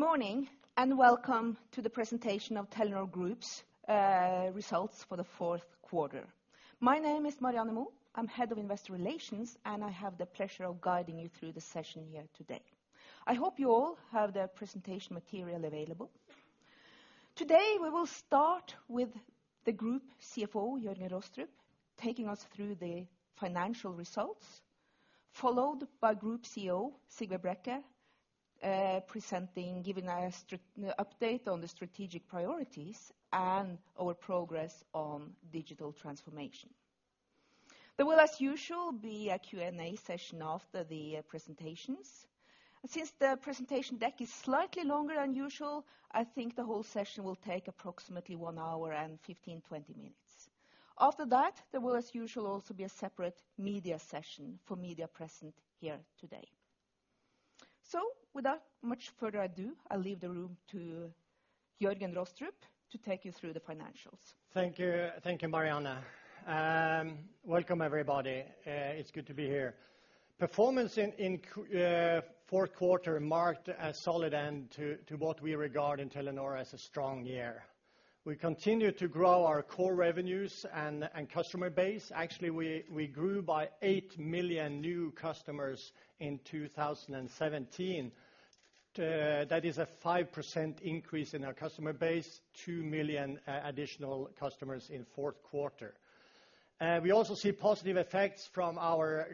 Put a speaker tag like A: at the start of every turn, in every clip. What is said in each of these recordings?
A: Good morning, and welcome to the presentation of Telenor Group's results for the Q4. My name is Marianne Moe. I'm head of Investor Relations, and I have the pleasure of guiding you through the session here today. I hope you all have the presentation material available. Today, we will start with the Group CFO, Jørgen Rostrup, taking us through the financial results, followed by Group CEO, Sigve Brekke presenting, giving us update on the strategic priorities and our progress on digital transformation. There will, as usual, be a Q&A session after the presentations. Since the presentation deck is slightly longer than usual, I think the whole session will take approximately one hour and 15-20 minutes. After that, there will, as usual, also be a separate media session for media present here today. Without much further ado, I leave the room to Jørgen Rostrup to take you through the financials.
B: Thank you. Thank you, Marianne. Welcome, everybody. It's good to be here. Performance in Q4 marked a solid end to what we regard in Telenor as a strong year. We continue to grow our core revenues and customer base. Actually, we grew by 8 million new customers in 2017. That is a 5% increase in our customer base, 2 million additional customers in Q4. We also see positive effects from our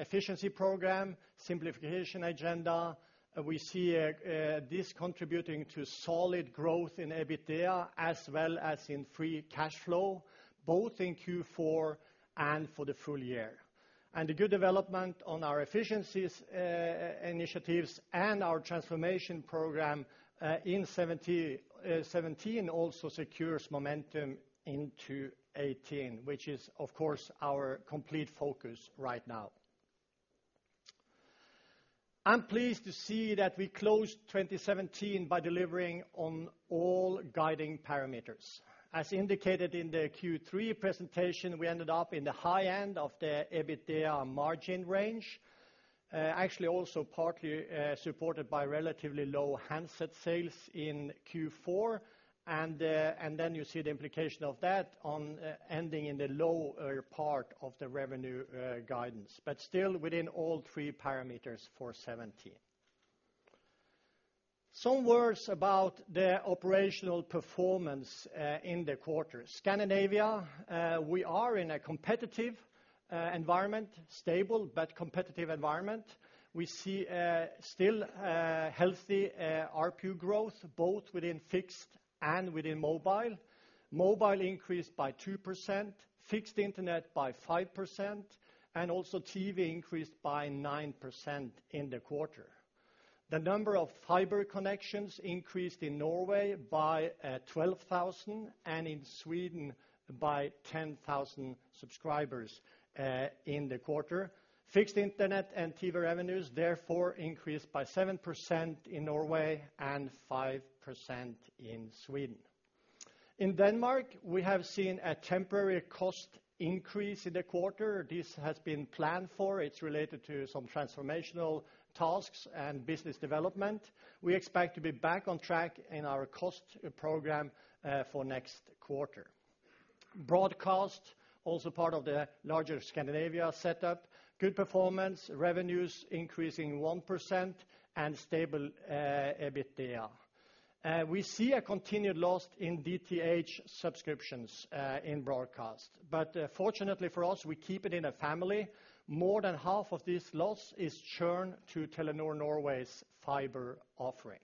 B: efficiency program, simplification agenda. We see this contributing to solid growth in EBITDA, as well as in free cash flow, both in Q4 and for the full year. And the good development on our efficiencies, initiatives and our transformation program, in 2017 also secures momentum into 2018, which is, of course, our complete focus right now. I'm pleased to see that we closed 2017 by delivering on all guiding parameters. As indicated in the Q3 presentation, we ended up in the high end of the EBITDA margin range. Actually, also partly supported by relatively low handset sales in Q4, and then you see the implication of that on ending in the lower part of the revenue guidance, but still within all three parameters for 2017. Some words about the operational performance in the quarter. Scandinavia, we are in a competitive environment, stable but competitive environment. We see still healthy RPU growth, both within fixed and within mobile. Mobile increased by 2%, fixed internet by 5%, and also TV increased by 9% in the quarter. The number of fiber connections increased in Norway by 12,000, and in Sweden by 10,000 subscribers in the quarter. Fixed internet and TV revenues, therefore, increased by 7% in Norway and 5% in Sweden. In Denmark, we have seen a temporary cost increase in the quarter. This has been planned for. It's related to some transformational tasks and business development. We expect to be back on track in our cost program for next quarter. Broadcast, also part of the larger Scandinavia setup, good performance, revenues increasing 1% and stable EBITDA. We see a continued loss in DTH subscriptions in broadcast, but fortunately for us, we keep it in a family. More than half of this loss is churn to Telenor Norway's fiber offering.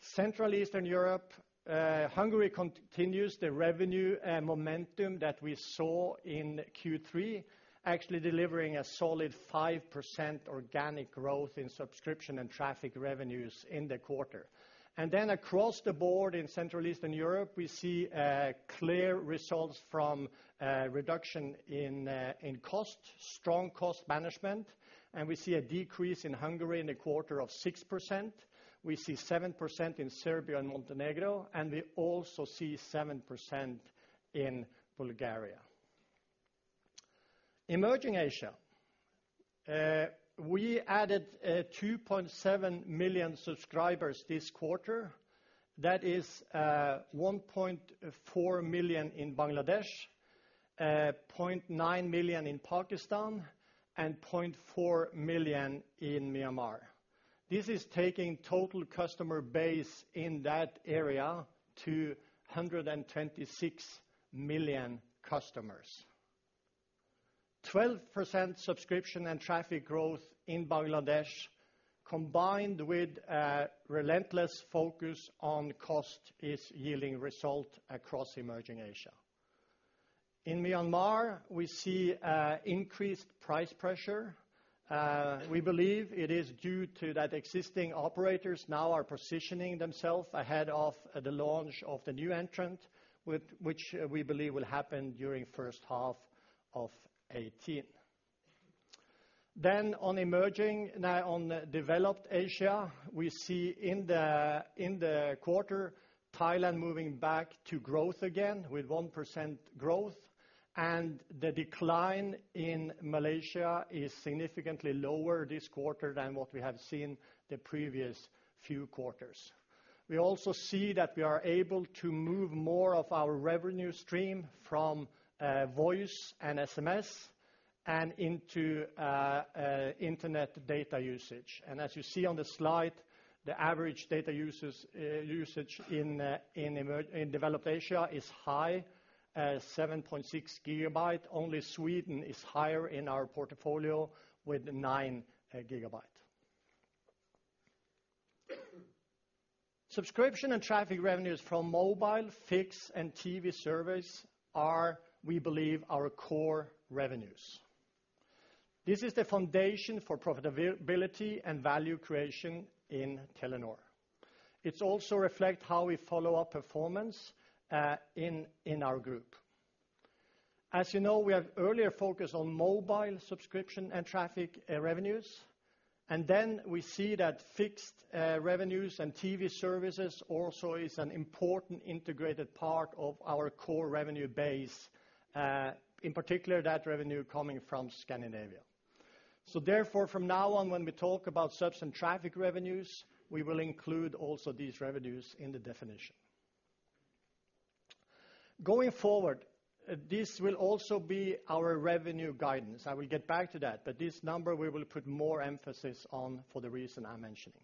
B: Central Eastern Europe, Hungary continues the revenue and momentum that we saw in Q3, actually delivering a solid 5% organic growth in subscription and traffic revenues in the quarter. And then across the board in Central Eastern Europe, we see clear results from reduction in cost, strong cost management, and we see a decrease in Hungary in the quarter of 6%. We see 7% in Serbia and Montenegro, and we also see 7% in Bulgaria. Emerging Asia, we added 2.7 million subscribers this quarter. That is, 1.4 million in Bangladesh, 0.9 million in Pakistan, and 0.4 million in Myanmar. This is taking total customer base in that area to 126 million customers. 12% subscription and traffic growth in Bangladesh, combined with a relentless focus on cost, is yielding result across emerging Asia. In Myanmar, we see increased price pressure. We believe it is due to that existing operators now are positioning themselves ahead of the launch of the new entrant, which we believe will happen during first half of 2018. Then on emerging, now on Developed Asia, we see in the, in the quarter, Thailand moving back to growth again, with 1% growth and the decline in Malaysia is significantly lower this quarter than what we have seen the previous few quarters. We also see that we are able to move more of our revenue stream from voice and SMS and into internet data usage. As you see on the slide, the average data usage in Developed Asia is high, 7.6 GB, only Sweden is higher in our portfolio with 9 GB. Subscription and traffic revenues from mobile, fixed, and TV service are, we believe, our core revenues. This is the foundation for profitability and value creation in Telenor. It's also reflect how we follow our performance in our group. As you know, we have earlier focused on mobile subscription and traffic revenues, and then we see that fixed revenues and TV services also is an important integrated part of our core revenue base, in particular, that revenue coming from Scandinavia. So therefore, from now on, when we talk about subs and traffic revenues, we will include also these revenues in the definition. Going forward, this will also be our revenue guidance. I will get back to that, but this number we will put more emphasis on for the reason I'm mentioning.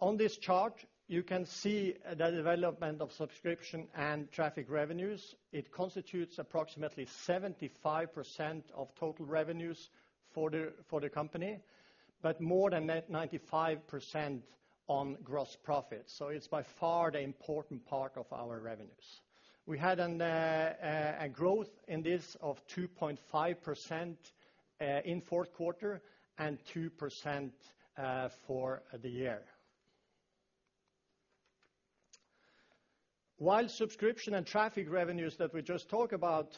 B: On this chart, you can see the development of subscription and traffic revenues. It constitutes approximately 75% of total revenues for the company, but more than 95% on gross profit. So it's by far the important part of our revenues. We had a growth in this of 2.5% in Q4 and 2% for the year. While subscription and traffic revenues that we just talked about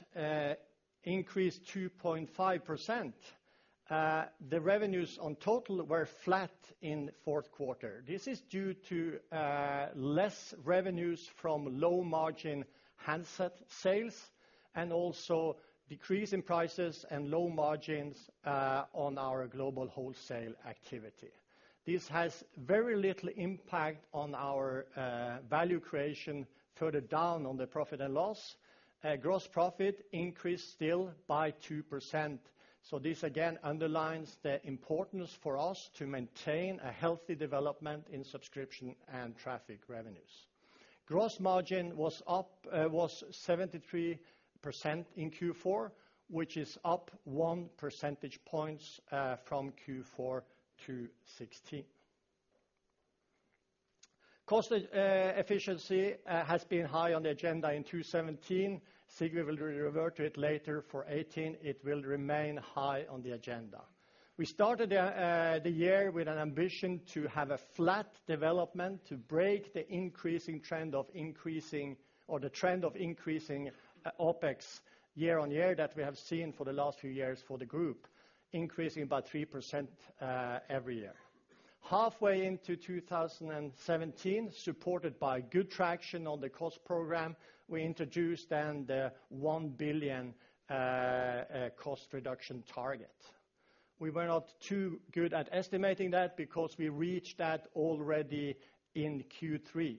B: increased 2.5%, the revenues on total were flat in Q4. This is due to less revenues from low-margin handset sales, and also decrease in prices and low margins on our global wholesale activity. This has very little impact on our value creation further down on the profit and loss. Gross profit increased still by 2%, so this again underlines the importance for us to maintain a healthy development in subscription and traffic revenues. Gross margin was up, was 73% in Q4, which is up one percentage point from Q4 2016. Cost efficiency has been high on the agenda in 2017. Sigve will revert to it later for 2018. It will remain high on the agenda. We started the year with an ambition to have a flat development, to break the increasing trend of increasing, or the trend of increasing OpEx year-on-year that we have seen for the last few years for the group, increasing about 3% every year. Halfway into 2017, supported by good traction on the cost program, we introduced then the 1 billion cost reduction target. We were not too good at estimating that because we reached that already in Q3.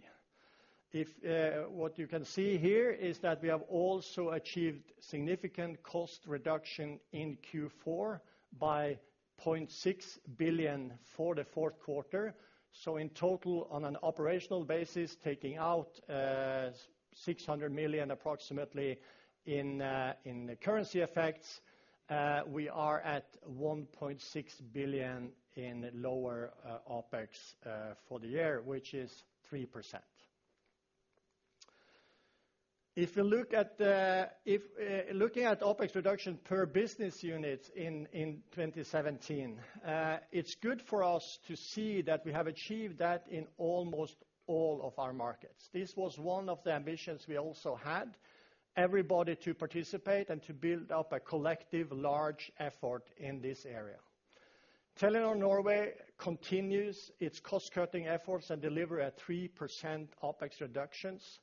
B: What you can see here is that we have also achieved significant cost reduction in Q4 by 0.6 billion for the fourth quarter. So in total, on an operational basis, taking out approximately 600 million in currency effects, we are at 1.6 billion in lower OpEx for the year, which is 3%. If you look at the—if looking at OpEx reduction per business unit in 2017, it's good for us to see that we have achieved that in almost all of our markets. This was one of the ambitions we also had, everybody to participate and to build up a collective large effort in this area. Telenor Norway continues its cost-cutting efforts and deliver a 3% OpEx reductions.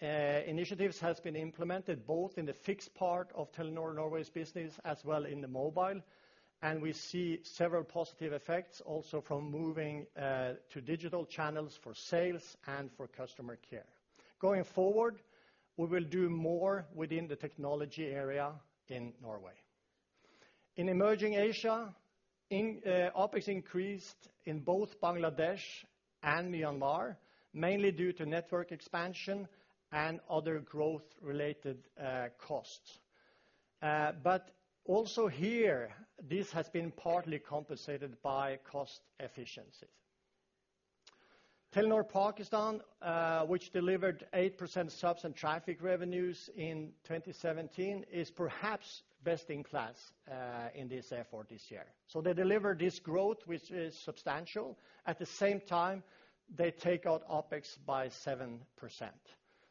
B: Initiatives has been implemented both in the fixed part of Telenor Norway's business, as well in the mobile, and we see several positive effects also from moving to digital channels for sales and for customer care. Going forward, we will do more within the technology area in Norway. In emerging Asia, OpEx increased in both Bangladesh and Myanmar, mainly due to network expansion and other growth-related costs. But also here, this has been partly compensated by cost efficiencies. Telenor Pakistan, which delivered 8% subs and traffic revenues in 2017, is perhaps best in class, in this effort this year. So they deliver this growth, which is substantial. At the same time, they take out OpEx by 7%.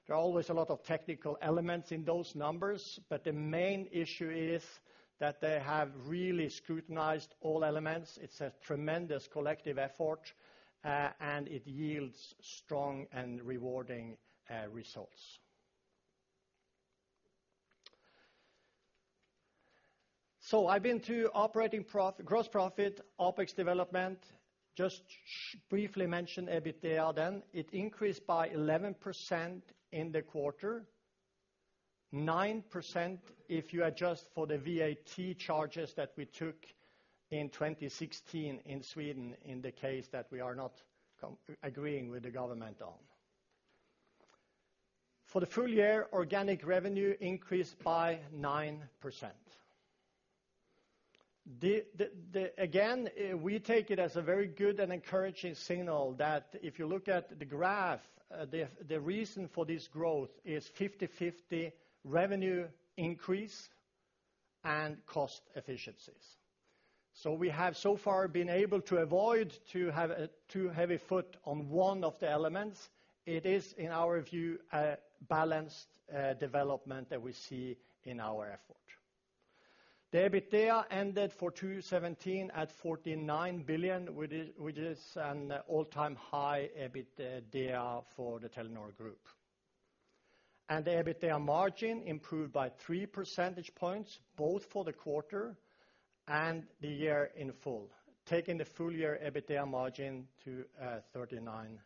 B: There are always a lot of technical elements in those numbers, but the main issue is that they have really scrutinized all elements. It's a tremendous collective effort, and it yields strong and rewarding results. So I've been through operating profit, gross profit, OpEx development, just briefly mention EBITDA, then it increased by 11% in the quarter, 9% if you adjust for the VAT charges that we took in 2016 in Sweden, in the case that we are not agreeing with the government on. For the full year, organic revenue increased by 9%. Again, we take it as a very good and encouraging signal that if you look at the graph, the reason for this growth is 50/50 revenue increase and cost efficiencies. So we have so far been able to avoid to have a too heavy foot on one of the elements. It is, in our view, a balanced development that we see in our effort. The EBITDA ended for Q2 2017 at 49 billion, which is an all-time high EBITDA for the Telenor Group. And the EBITDA margin improved by three percentage points, both for the quarter and the year in full, taking the full year EBITDA margin to 39%.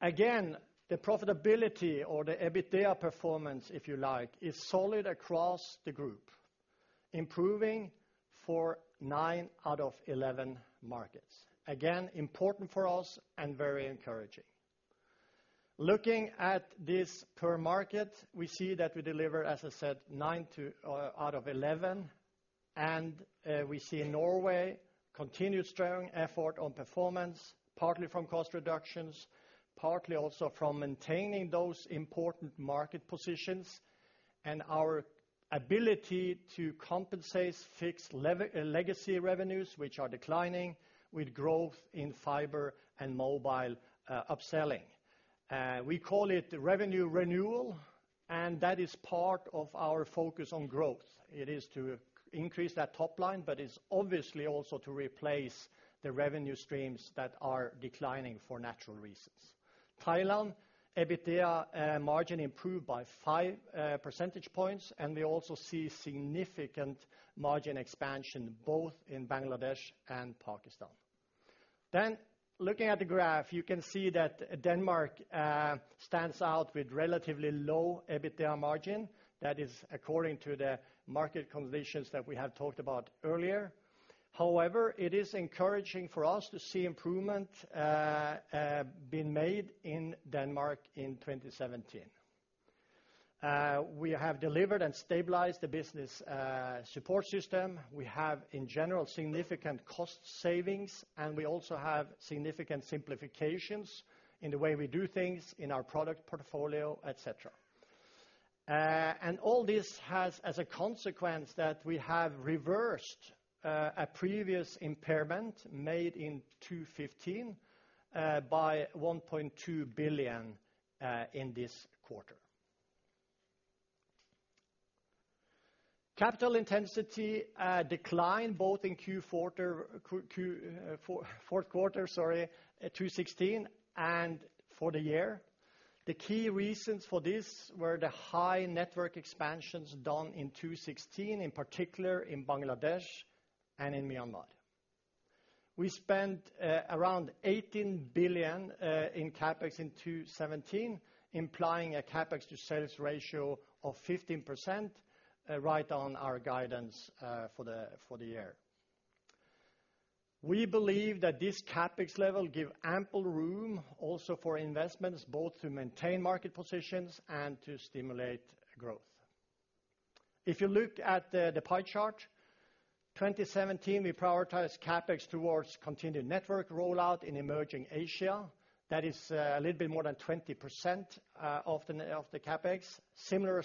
B: Again, the profitability or the EBITDA performance, if you like, is solid across the group, improving for nine out of 11 markets. Again, important for us and very encouraging. Looking at this per market, we see that we deliver, as I said, nine out of 11, and we see in Norway continued strong effort on performance, partly from cost reductions, partly also from maintaining those important market positions and our ability to compensate fixed legacy revenues, which are declining, with growth in fiber and mobile upselling. We call it the revenue renewal, and that is part of our focus on growth. It is to increase that top line, but it's obviously also to replace the revenue streams that are declining for natural reasons. Thailand, EBITDA margin improved by 5 percentage points, and we also see significant margin expansion both in Bangladesh and Pakistan. Then, looking at the graph, you can see that Denmark stands out with relatively low EBITDA margin. That is according to the market conditions that we have talked about earlier. However, it is encouraging for us to see improvement being made in Denmark in 2017. We have delivered and stabilized the business support system. We have, in general, significant cost savings, and we also have significant simplifications in the way we do things in our product portfolio, et cetera. And all this has, as a consequence, that we have reversed a previous impairment made in 2015 by 1.2 billion in this quarter. Capital intensity declined both in the Q4 2016, sorry, and for the year. The key reasons for this were the high network expansions done in 2016, in particular in Bangladesh and in Myanmar. We spent around 18 billion in CapEx in 2017, implying a CapEx to sales ratio of 15%, right on our guidance for the year. We believe that this CapEx level give ample room also for investments, both to maintain market positions and to stimulate growth. If you look at the pie chart, 2017, we prioritized CapEx towards continued network rollout in emerging Asia. That is a little bit more than 20% of the CapEx. Similar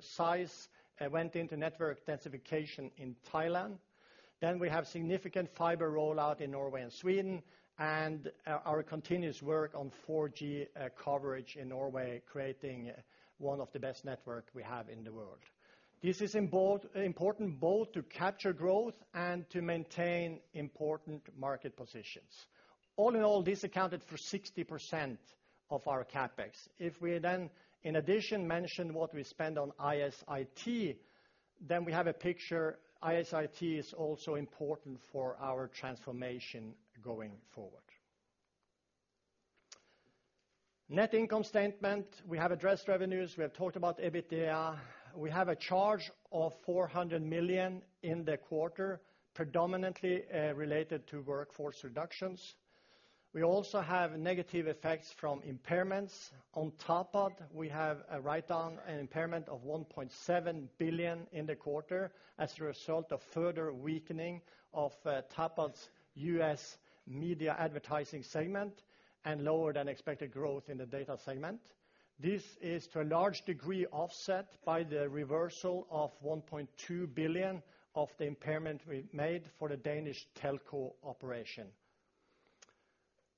B: size went into network densification in Thailand. Then we have significant fiber rollout in Norway and Sweden, and our continuous work on 4G coverage in Norway, creating one of the best network we have in the world. This is important both to capture growth and to maintain important market positions. All in all, this accounted for 60% of our CapEx. If we then, in addition, mention what we spend on ISIT, then we have a picture. ISIT is also important for our transformation going forward. Net income statement, we have addressed revenues, we have talked about EBITDA. We have a charge of 400 million in the quarter, predominantly, related to workforce reductions. We also have negative effects from impairments. On Tapad, we have a write-down, an impairment of 1.7 billion in the quarter as a result of further weakening of, Tapad's U.S. media advertising segment and lower than expected growth in the data segment. This is, to a large degree, offset by the reversal of 1.2 billion of the impairment we made for the Danish telco operation....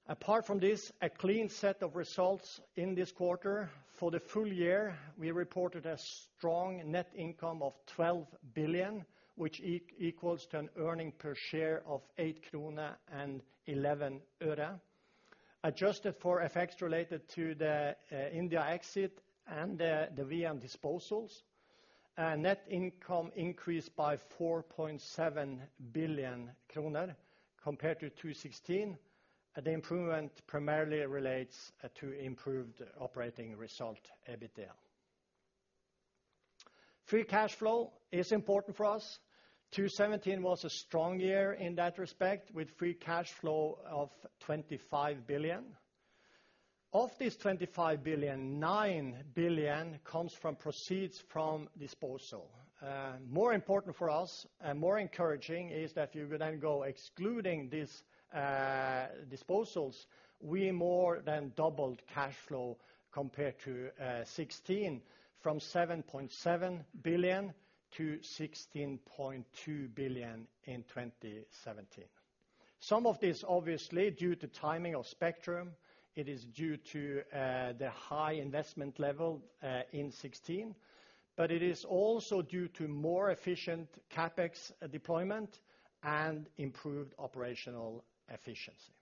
B: Apart from this, a clean set of results in this quarter. For the full year, we reported a strong net income of 12 billion, which equals to an earnings per share of 8.11 krone. Adjusted for effects related to the India exit and the VEON disposals, net income increased by 4.7 billion kroner compared to 2016, and the improvement primarily relates to improved operating result EBITDA. Free cash flow is important for us. 2017 was a strong year in that respect, with free cash flow of 25 billion. Of this 25 billion, 9 billion comes from proceeds from disposal. More important for us and more encouraging is that if you would then go excluding these disposals, we more than doubled cash flow compared to 2016, from 7.7 billion to 16.2 billion in 2017. Some of this obviously due to timing of spectrum, it is due to the high investment level in 2016, but it is also due to more efficient CapEx deployment and improved operational efficiency.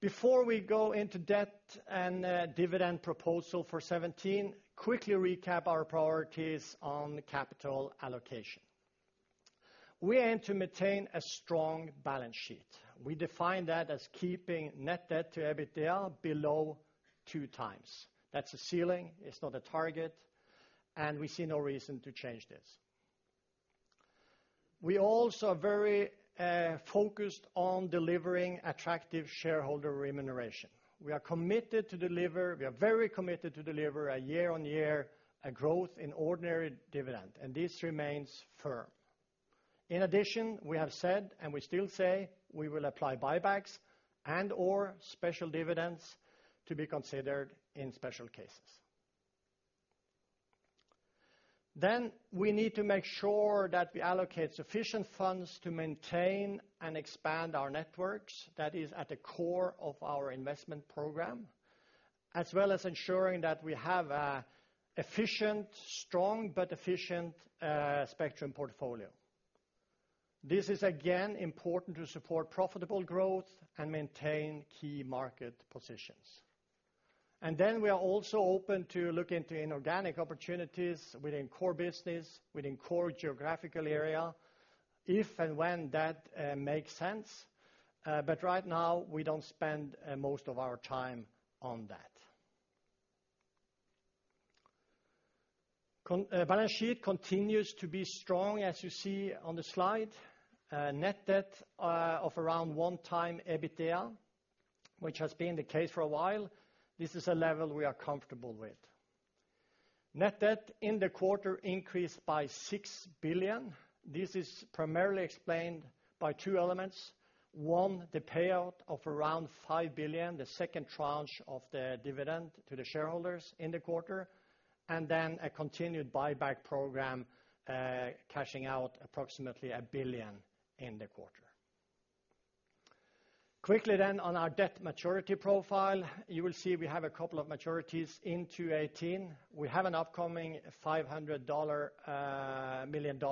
B: Before we go into debt and dividend proposal for 2017, quickly recap our priorities on capital allocation. We aim to maintain a strong balance sheet. We define that as keeping net debt to EBITDA below two times. That's a ceiling, it's not a target, and we see no reason to change this. We also are very focused on delivering attractive shareholder remuneration. We are very committed to deliver a year-on-year, a growth in ordinary dividend, and this remains firm. In addition, we have said, and we still say, we will apply buybacks and/or special dividends to be considered in special cases. Then we need to make sure that we allocate sufficient funds to maintain and expand our networks. That is at the core of our investment program, as well as ensuring that we have an efficient, strong, but efficient, spectrum portfolio. This is again, important to support profitable growth and maintain key market positions. And then we are also open to look into inorganic opportunities within core business, within core geographical area, if and when that, makes sense. But right now, we don't spend, most of our time on that. Balance sheet continues to be strong, as you see on the slide. Net debt, of around 1x EBITDA, which has been the case for a while. This is a level we are comfortable with. Net debt in the quarter increased by 6 billion. This is primarily explained by two elements. One, the payout of around 5 billion, the second tranche of the dividend to the shareholders in the quarter, and then a continued buyback program, cashing out approximately 1 billion in the quarter. Quickly then, on our debt maturity profile, you will see we have a couple of maturities in 2018. We have an upcoming $500 million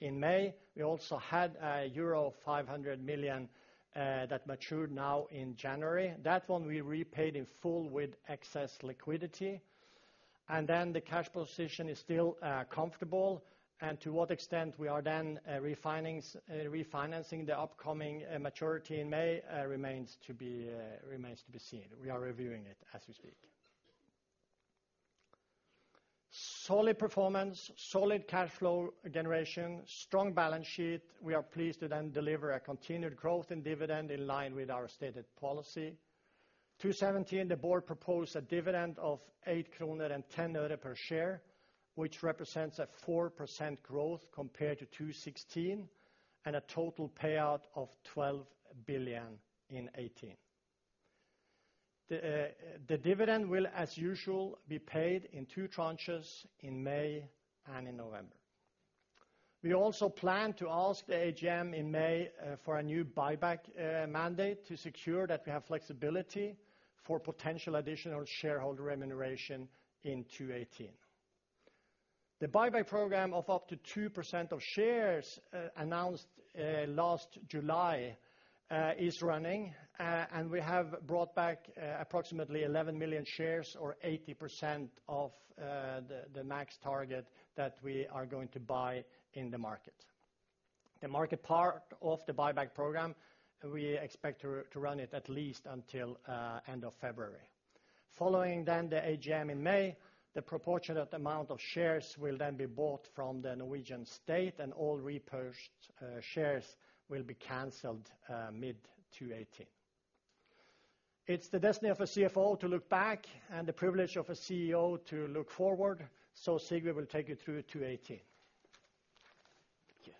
B: in May. We also had a euro 500 million that matured now in January. That one we repaid in full with excess liquidity, and then the cash flow position is still comfortable. And to what extent we are then refinancing the upcoming maturity in May remains to be seen. We are reviewing it as we speak. Solid performance, solid cash flow generation, strong balance sheet. We are pleased to then deliver a continued growth in dividend in line with our stated policy. In 2017, the board proposed a dividend of NOK 8.10 per share, which represents a 4% growth compared to 2016, and a total payout of 12 billion in 2018. The dividend will, as usual, be paid in two tranches in May and in November. We also plan to ask the AGM in May for a new buyback mandate to secure that we have flexibility for potential additional shareholder remuneration in 2018. The buyback program of up to 2% of shares, announced last July, is running, and we have brought back approximately 11 million shares or 80% of the max target that we are going to buy in the market. The market part of the buyback program, we expect to run it at least until end of February. Following then the AGM in May, the proportionate amount of shares will then be bought from the Norwegian state, and all repurchased shares will be canceled mid-2018. It's the destiny of a CFO to look back and the privilege of a CEO to look forward, so Sigve will take you through 2018. Thank you....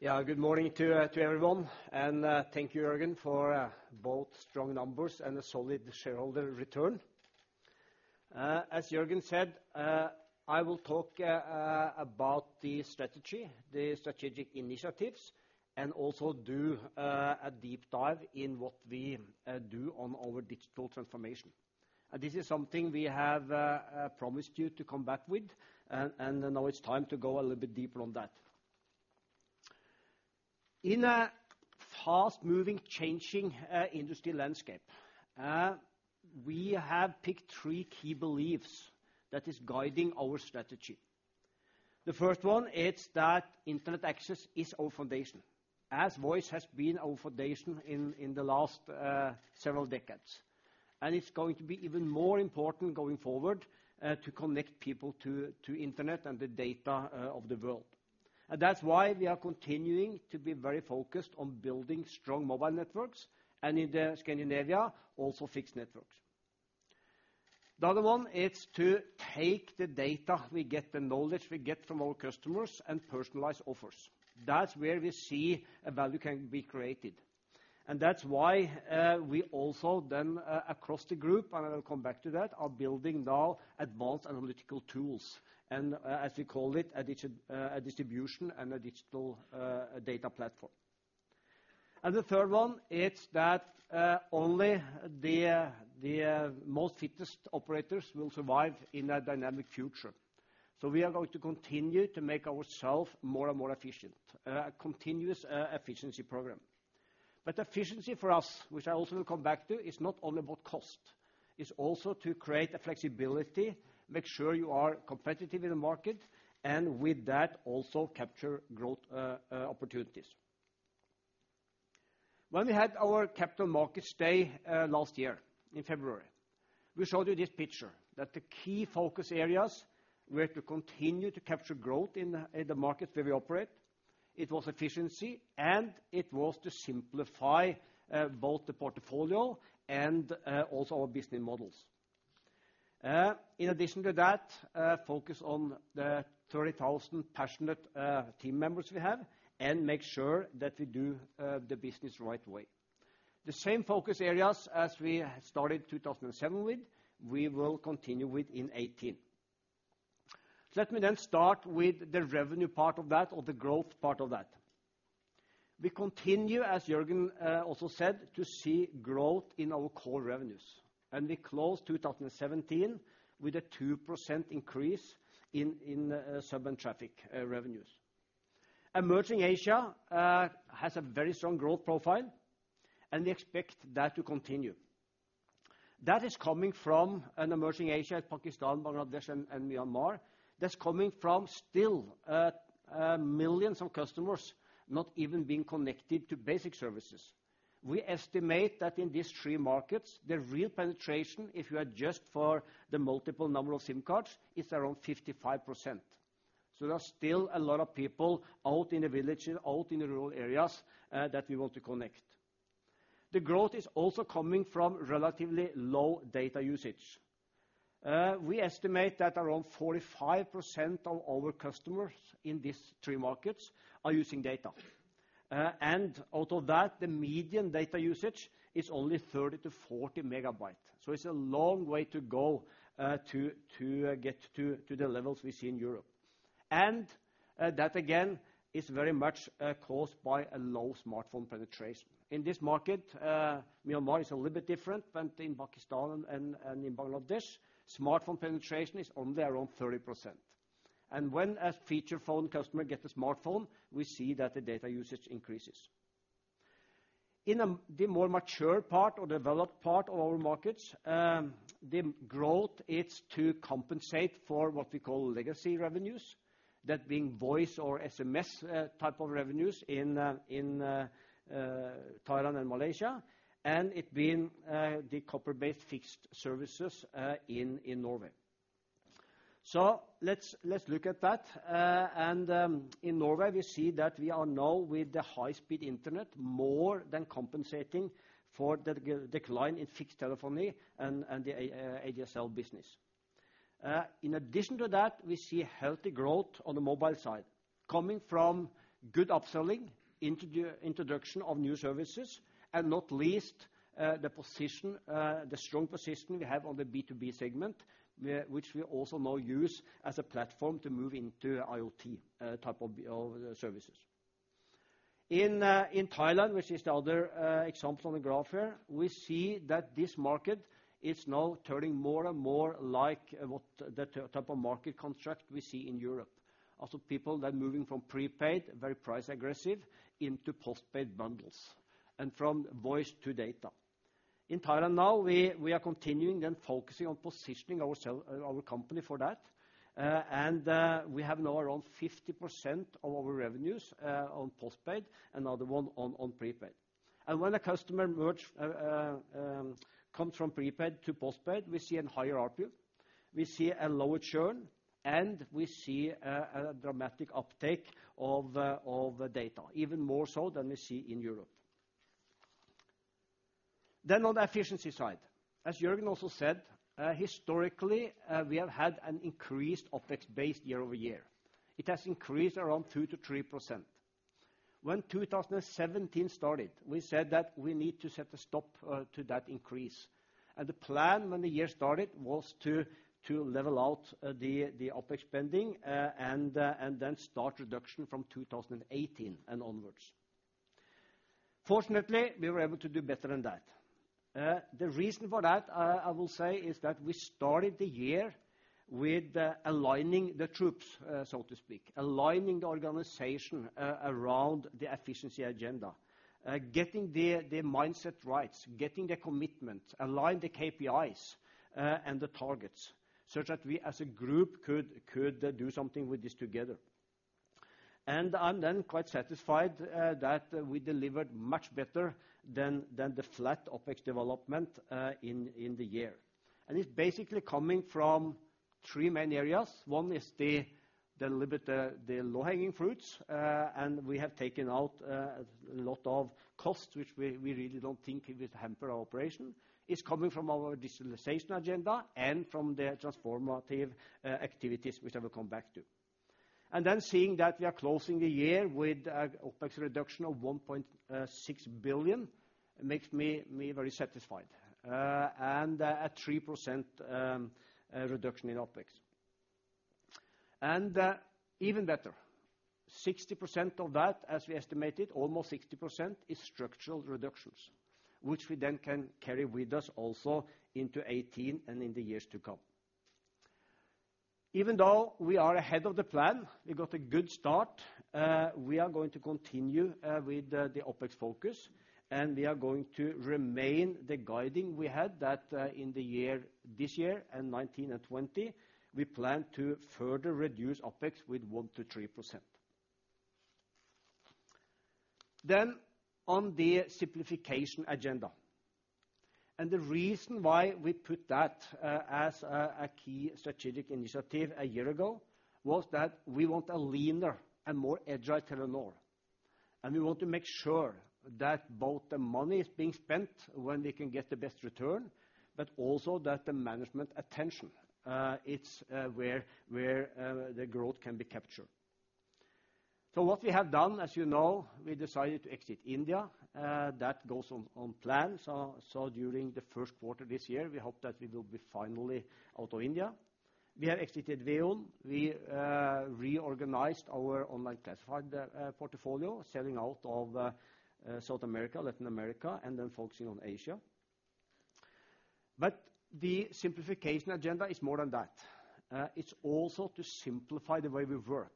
C: Yeah, good morning to everyone, and thank you, Jørgen, for both strong numbers and a solid shareholder return. As Jørgen said, I will talk about the strategy, the strategic initiatives, and also do a deep dive in what we do on our digital transformation. This is something we have promised you to come back with, and now it's time to go a little bit deeper on that. In a fast-moving, changing industry landscape, we have picked three key beliefs that is guiding our strategy. The first one, it's that internet access is our foundation, as voice has been our foundation in the last several decades. And it's going to be even more important going forward to connect people to internet and the data of the world. That's why we are continuing to be very focused on building strong mobile networks, and in Scandinavia, also fixed networks. The other one, it's to take the data we get, the knowledge we get from our customers and personalize offers. That's where we see a value can be created, and that's why, we also then, across the group, and I will come back to that, are building now advanced analytical tools, and, as we call it, a digital distribution and a digital data platform. The third one, it's that, only the most fittest operators will survive in a dynamic future, so we are going to continue to make ourself more and more efficient, a continuous efficiency program. But efficiency for us, which I also will come back to, is not only about cost, it's also to create a flexibility, make sure you are competitive in the market, and with that, also capture growth, opportunities. When we had our Capital Markets Day, last year, in February, we showed you this picture, that the key focus areas were to continue to capture growth in the markets where we operate. It was efficiency, and it was to simplify, both the portfolio and, also our business models. In addition to that, focus on the 30,000 passionate, team members we have, and make sure that we do, the business right way. The same focus areas as we started 2017 with, we will continue with in 2018. Let me then start with the revenue part of that, or the growth part of that. We continue, as Jørgen also said, to see growth in our core revenues, and we closed 2017 with a 2% increase in sub and traffic revenues. Emerging Asia has a very strong growth profile, and we expect that to continue. That is coming from Emerging Asia, Pakistan, Bangladesh, and Myanmar, that's coming from still millions of customers not even being connected to basic services. We estimate that in these three markets, the real penetration, if you adjust for the multiple number of SIM cards, is around 55%. So there are still a lot of people out in the villages, out in the rural areas that we want to connect. The growth is also coming from relatively low data usage. We estimate that around 45% of our customers in these three markets are using data. And out of that, the median data usage is only 30-40 megabytes, so it's a long way to go to get to the levels we see in Europe. And that again is very much caused by a low smartphone penetration. In this market, Myanmar is a little bit different than in Pakistan and in Bangladesh. Smartphone penetration is only around 30%. And when a feature phone customer gets a smartphone, we see that the data usage increases. In the more mature part or developed part of our markets, the growth, it's to compensate for what we call legacy revenues, that being voice or SMS type of revenues in Thailand and Malaysia, and it being the copper-based fixed services in Norway. Let's look at that. In Norway, we see that we are now with the high-speed internet more than compensating for the decline in fixed telephony and the ADSL business. In addition to that, we see healthy growth on the mobile side, coming from good upselling, introduction of new services, and not least, the strong position we have on the B2B segment, which we also now use as a platform to move into IoT type of services. In Thailand, which is the other example on the graph here, we see that this market is now turning more and more like what the type of market contract we see in Europe. Also, people that are moving from prepaid, very price aggressive, into postpaid bundles, and from voice to data. In Thailand now, we are continuing and focusing on positioning our company for that, and we have now around 50% of our revenues on postpaid, another one on prepaid. And when a customer come from prepaid to postpaid, we see a higher ARPU, we see a lower churn, and we see a dramatic uptake of data, even more so than we see in Europe. Then on the efficiency side, as Jørgen also said, historically, we have had an increased OpEx base year over year. It has increased around 2%-3%. When 2017 started, we said that we need to set a stop to that increase, and the plan when the year started was to level out the OpEx spending, and then start reduction from 2018 and onwards. Fortunately, we were able to do better than that. The reason for that, I will say, is that we started the year with aligning the troops, so to speak, aligning the organization around the efficiency agenda, getting the mindset right, getting the commitment, align the KPIs, and the targets, such that we as a group could do something with this together. I'm then quite satisfied that we delivered much better than the flat OpEx development in the year. It's basically coming from three main areas. One is the little bit the low-hanging fruits and we have taken out a lot of costs, which we really don't think it would hamper our operation. It's coming from our digitalization agenda and from the transformative activities which I will come back to. Then seeing that we are closing the year with OpEx reduction of 1.6 billion makes me very satisfied and at 3% reduction in OpEx. Even better, 60% of that, as we estimated, almost 60% is structural reductions, which we then can carry with us also into 2018 and in the years to come. Even though we are ahead of the plan, we got a good start, we are going to continue with the OpEx focus, and we are going to remain to the guidance we had that in the year, this year and 2019 and 2020, we plan to further reduce OpEx with 1%-3%. Then on the simplification agenda, and the reason why we put that as a key strategic initiative a year ago, was that we want a leaner and more agile Telenor. And we want to make sure that both the money is being spent when we can get the best return, but also that the management attention is where the growth can be captured. So what we have done, as you know, we decided to exit India, that goes on plan. So during the Q1 this year, we hope that we will be finally out of India. We have exited VEON. We reorganized our online classified portfolio, selling out of South America, Latin America, and then focusing on Asia. But the simplification agenda is more than that. It's also to simplify the way we work.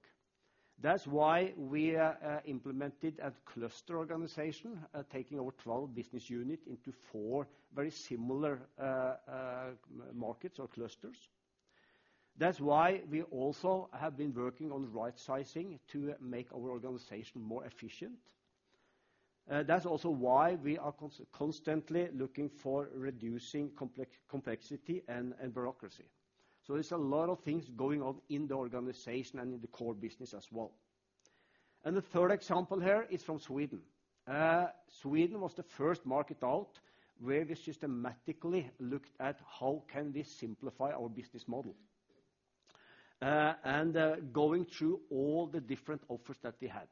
C: That's why we implemented a cluster organization, taking our 12 business unit into four very similar markets or clusters. That's why we also have been working on right-sizing to make our organization more efficient. That's also why we are constantly looking for reducing complexity and bureaucracy. So there's a lot of things going on in the organization and in the core business as well. And the third example here is from Sweden. Sweden was the first market where we systematically looked at how can we simplify our business model? And going through all the different offers that we had.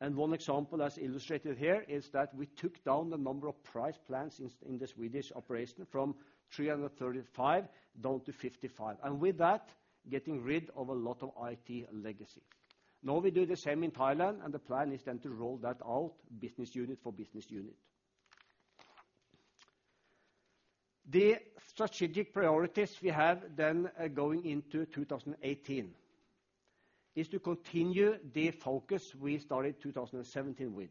C: And one example, as illustrated here, is that we took down the number of price plans in the Swedish operation from 335 down to 55, and with that, getting rid of a lot of IT legacy. Now, we do the same in Thailand, and the plan is then to roll that out business unit for business unit. The strategic priorities we have then, going into 2018, is to continue the focus we started 2017 with.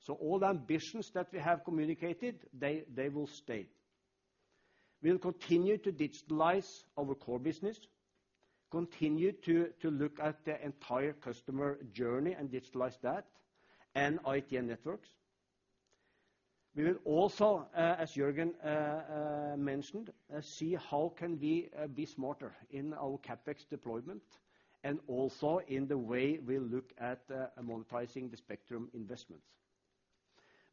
C: So all the ambitions that we have communicated, they will stay. We'll continue to digitalize our core business, continue to look at the entire customer journey and digitalize that, and IT and networks. We will also, as Jørgen mentioned, see how can we be smarter in our CapEx deployment, and also in the way we look at monetizing the spectrum investments.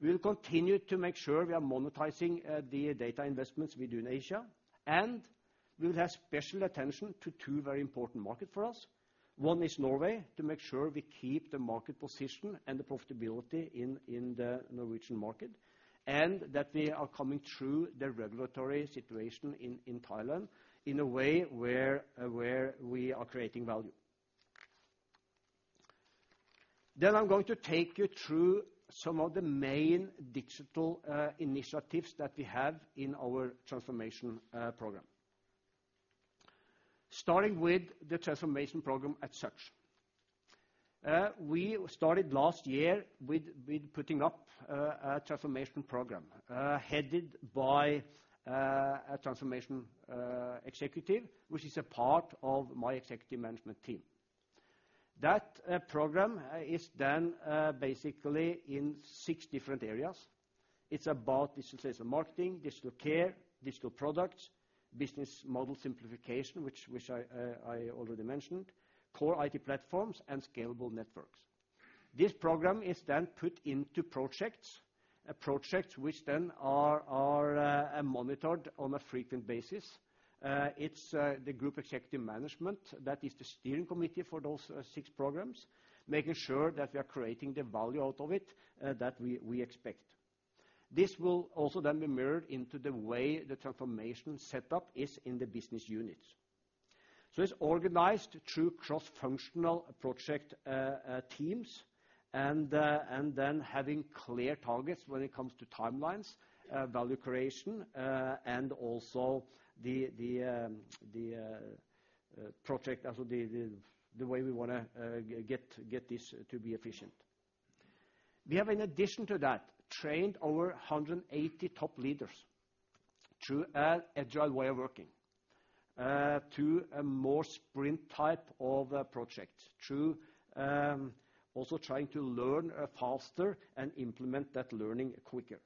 C: We will continue to make sure we are monetizing the data investments we do in Asia, and we'll have special attention to two very important market for us. One is Norway, to make sure we keep the market position and the profitability in the Norwegian market, and that we are coming through the regulatory situation in Thailand in a way where we are creating value. Then I'm going to take you through some of the main digital initiatives that we have in our transformation program. Starting with the transformation program as such. We started last year with putting up a transformation program headed by a transformation executive, which is a part of my executive management team. That program is done basically in six different areas. It's about digitalization, marketing, digital care, digital products, business model simplification, which I already mentioned, core IT platforms, and scalable networks. This program is then put into projects, projects which then are monitored on a frequent basis. It's the group executive management that is the steering committee for those six programs, making sure that we are creating the value out of it that we expect. This will also then be mirrored into the way the transformation setup is in the business units. So it's organized through cross-functional project teams, and then having clear targets when it comes to timelines, value creation, and also the project also the way we wanna get this to be efficient. We have, in addition to that, trained over 180 top leaders through an agile way of working, to a more sprint type of a project, through also trying to learn faster and implement that learning quicker.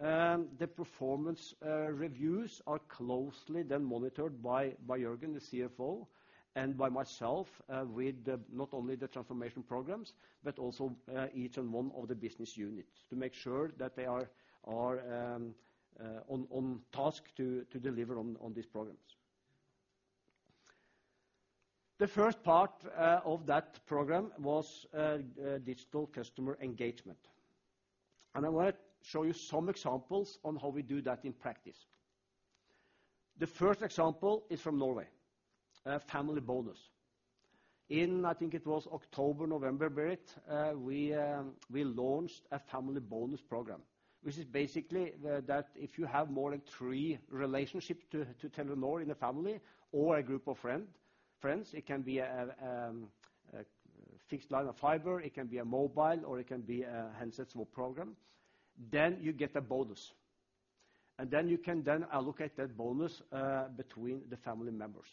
C: The performance reviews are closely then monitored by Jørgen, the CFO, and by myself, with not only the transformation programs, but also each one of the business units, to make sure that they are on task to deliver on these programs. The first part of that program was digital customer engagement, and I want to show you some examples on how we do that in practice. The first example is from Norway, a family bonus. In, I think it was October, November, Berit, we launched a family bonus program, which is basically the, that if you have more than three relationship to, to Telenor in the family or a group of friend, friends, it can be a, a fixed line of fiber, it can be a mobile, or it can be a handsets mobile program, then you get a bonus, and then you can then allocate that bonus between the family members.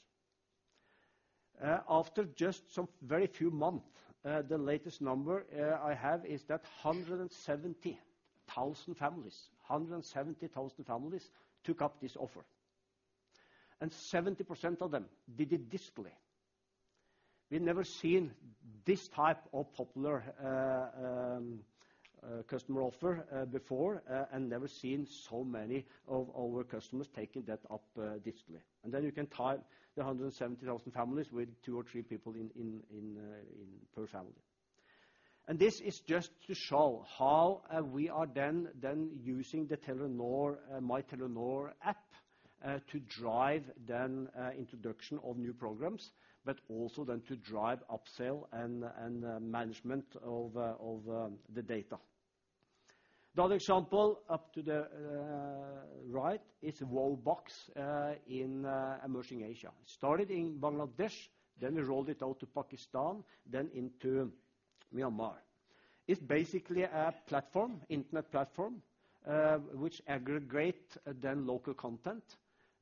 C: After just some very few months, the latest number I have is that 170,000 families, 170,000 families, took up this offer, and 70% of them did it digitally. We've never seen this type of popular customer offer before, and never seen so many of our customers taking that up digitally. Then you can tie the 170,000 families with two or three people in per family. This is just to show how we are then using the Telenor My Telenor app to drive then introduction of new programs, but also then to drive upsell and management of the data. The other example, up to the right, is Wowbox in emerging Asia. It started in Bangladesh, then we rolled it out to Pakistan, then into Myanmar. It's basically a platform, internet platform, which aggregate then local content,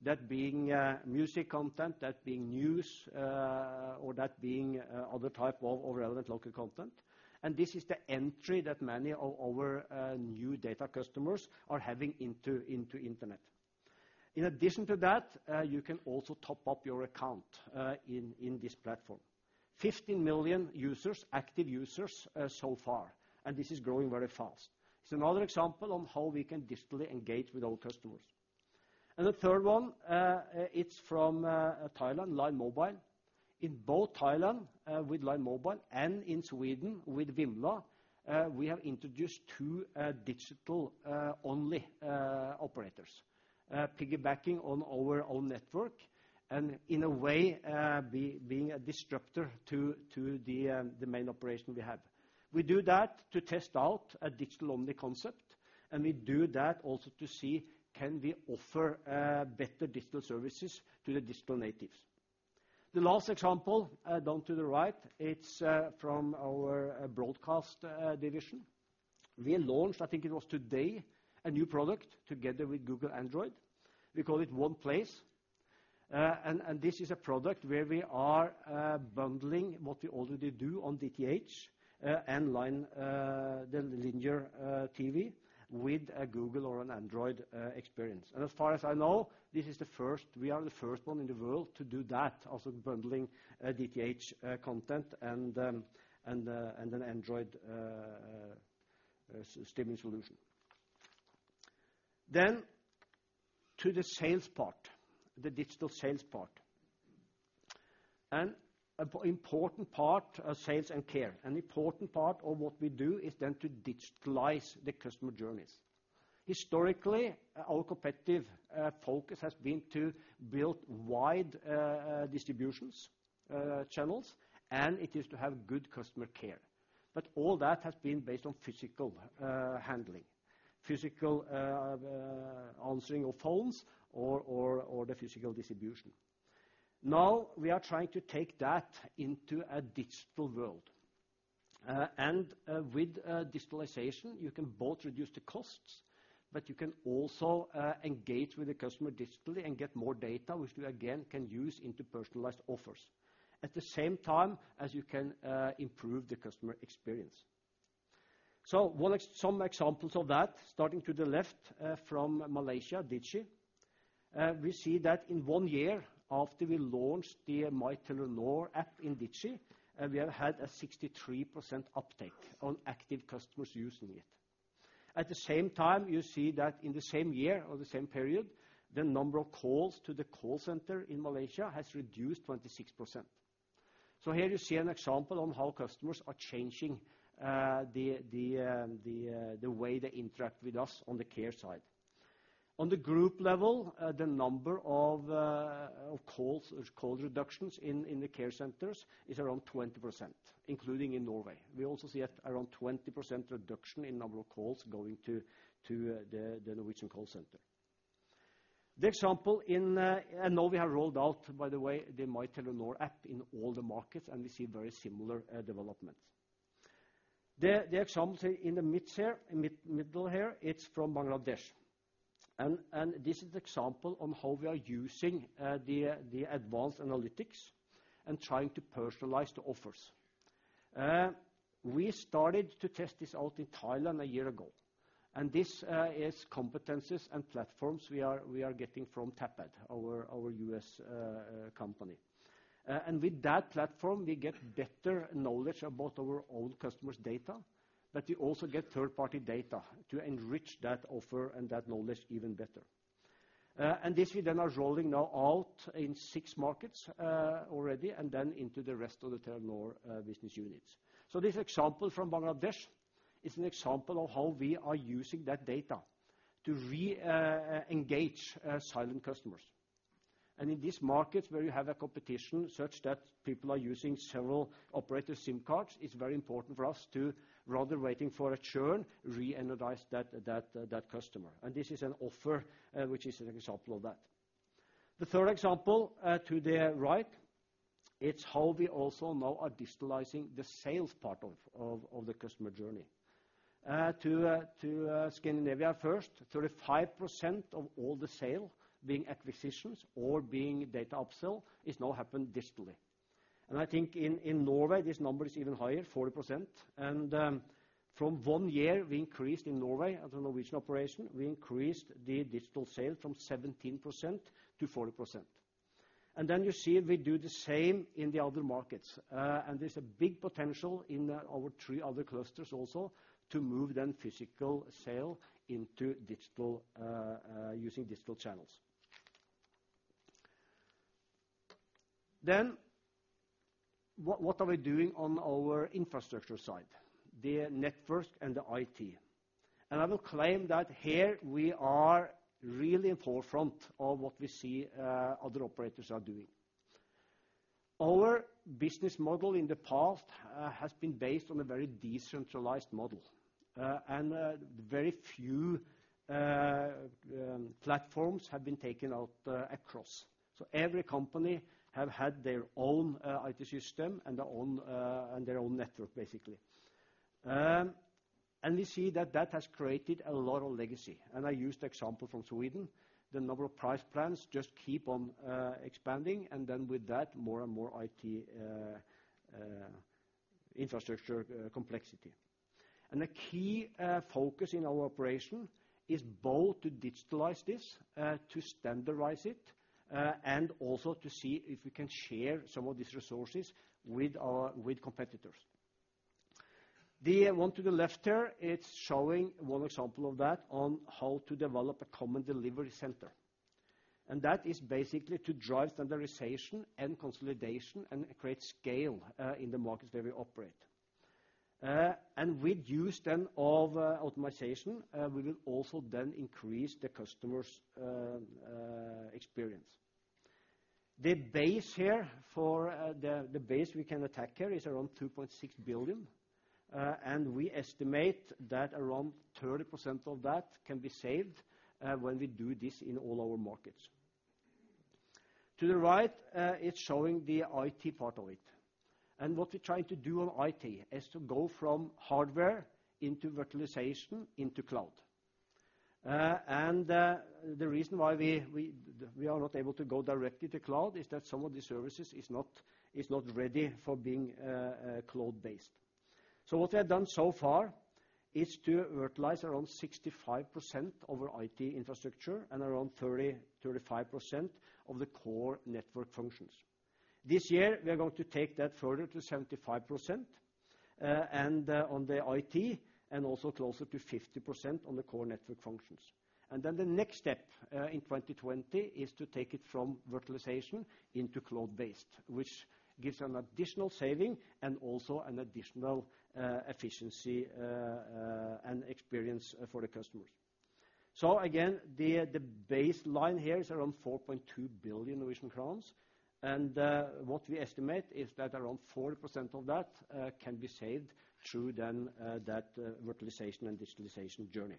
C: that being music content, that being news, or that being other type of or relevant local content. And this is the entry that many of our new data customers are having into, into internet. In addition to that, you can also top up your account in, in this platform. 15 million users, active users, so far, and this is growing very fast. It's another example on how we can digitally engage with our customers. And the third one, it's from Thailand, LINE Mobile. In both Thailand, with LINE Mobile and in Sweden with Vimla, we have introduced two digital-only operators piggybacking on our own network and in a way, being a disruptor to the main operation we have. We do that to test out a digital-only concept, and we do that also to see can we offer better digital services to the digital natives? The last example down to the right, it's from our broadcast division. We launched, I think it was today, a new product together with Google Android. We call it OnePlace, and this is a product where we are bundling what we already do on DTH and line, the linear TV with a Google or an Android experience. As far as I know, this is the first—we are the first one in the world to do that, also bundling DTH content and an Android streaming solution. Then to the sales part, the digital sales part. An important part of sales and care, an important part of what we do is then to digitalize the customer journeys. Historically, our competitive focus has been to build wide distribution channels, and it is to have good customer care. But all that has been based on physical handling, physical answering of phones or the physical distribution. Now, we are trying to take that into a digital world, and, with digitalization, you can both reduce the costs, but you can also engage with the customer digitally and get more data, which you again, can use into personalized offers, at the same time as you can improve the customer experience. So, some examples of that, starting to the left, from Malaysia, Digi. We see that in one year after we launched the My Telenor app in Digi, and we have had a 63% uptake on active customers using it. At the same time, you see that in the same year or the same period, the number of calls to the call center in Malaysia has reduced 26%. So here you see an example on how customers are changing the way they interact with us on the care side. On the group level, the number of calls, call reductions in the care centers is around 20%, including in Norway. We also see a around 20% reduction in number of calls going to the Norwegian call center. The example, and now we have rolled out, by the way, the My Telenor app in all the markets, and we see very similar developments. The example in the middle here, it's from Bangladesh. And this is the example on how we are using the advanced analytics and trying to personalize the offers. We started to test this out in Thailand a year ago, and this is competencies and platforms we are getting from Tapad, our U.S. company. And with that platform, we get better knowledge about our own customers' data, but we also get third-party data to enrich that offer and that knowledge even better. And this we then are rolling now out in six markets already, and then into the rest of the Telenor business units. So this example from Bangladesh is an example of how we are using that data to re-engage silent customers. And in this market, where you have a competition such that people are using several operator SIM cards, it's very important for us to, rather waiting for a churn, re-energize that, that, that customer. This is an offer, which is an example of that. The third example, to the right, it's how we also now are digitalizing the sales part of the customer journey. To Scandinavia first, 35% of all the sale being acquisitions or being data upsell is now happened digitally. And I think in Norway, this number is even higher, 40%. And from one year, we increased in Norway, as a Norwegian operation, we increased the digital sale from 17%-40%. Then you see we do the same in the other markets. There's a big potential in our three other clusters also to move then physical sale into digital, using digital channels. Then, what are we doing on our infrastructure side, the network and the IT? I will claim that here we are really in forefront of what we see other operators are doing. Our business model in the past has been based on a very decentralized model, and very few platforms have been taken out across. So every company have had their own IT system and their own network, basically. And we see that that has created a lot of legacy, and I use the example from Sweden. The number of price plans just keep on expanding, and then with that, more and more IT infrastructure complexity. And a key focus in our operation is both to digitalize this, to standardize it, and also to see if we can share some of these resources with our competitors. The one to the left here, it's showing one example of that on how to develop a common delivery center, and that is basically to drive standardization and consolidation and create scale in the markets where we operate. And with use then of optimization, we will also then increase the customers' experience. The base here, the base we can attack here is around 2.6 billion, and we estimate that around 30% of that can be saved when we do this in all our markets. To the right, it's showing the IT part of it. And what we're trying to do on IT is to go from hardware into virtualization into cloud. The reason why we are not able to go directly to cloud is that some of the services is not ready for being cloud-based. So what we have done so far is to virtualize around 65% of our IT infrastructure and around 35% of the core network functions. This year, we are going to take that further to 75%, and on the IT, and also closer to 50% on the core network functions. And then the next step in 2020 is to take it from virtualization into cloud-based, which gives an additional saving and also an additional efficiency, and experience for the customers. So again, the baseline here is around 4.2 billion Norwegian crowns, and what we estimate is that around 40% of that can be saved through that virtualization and digitalization journey.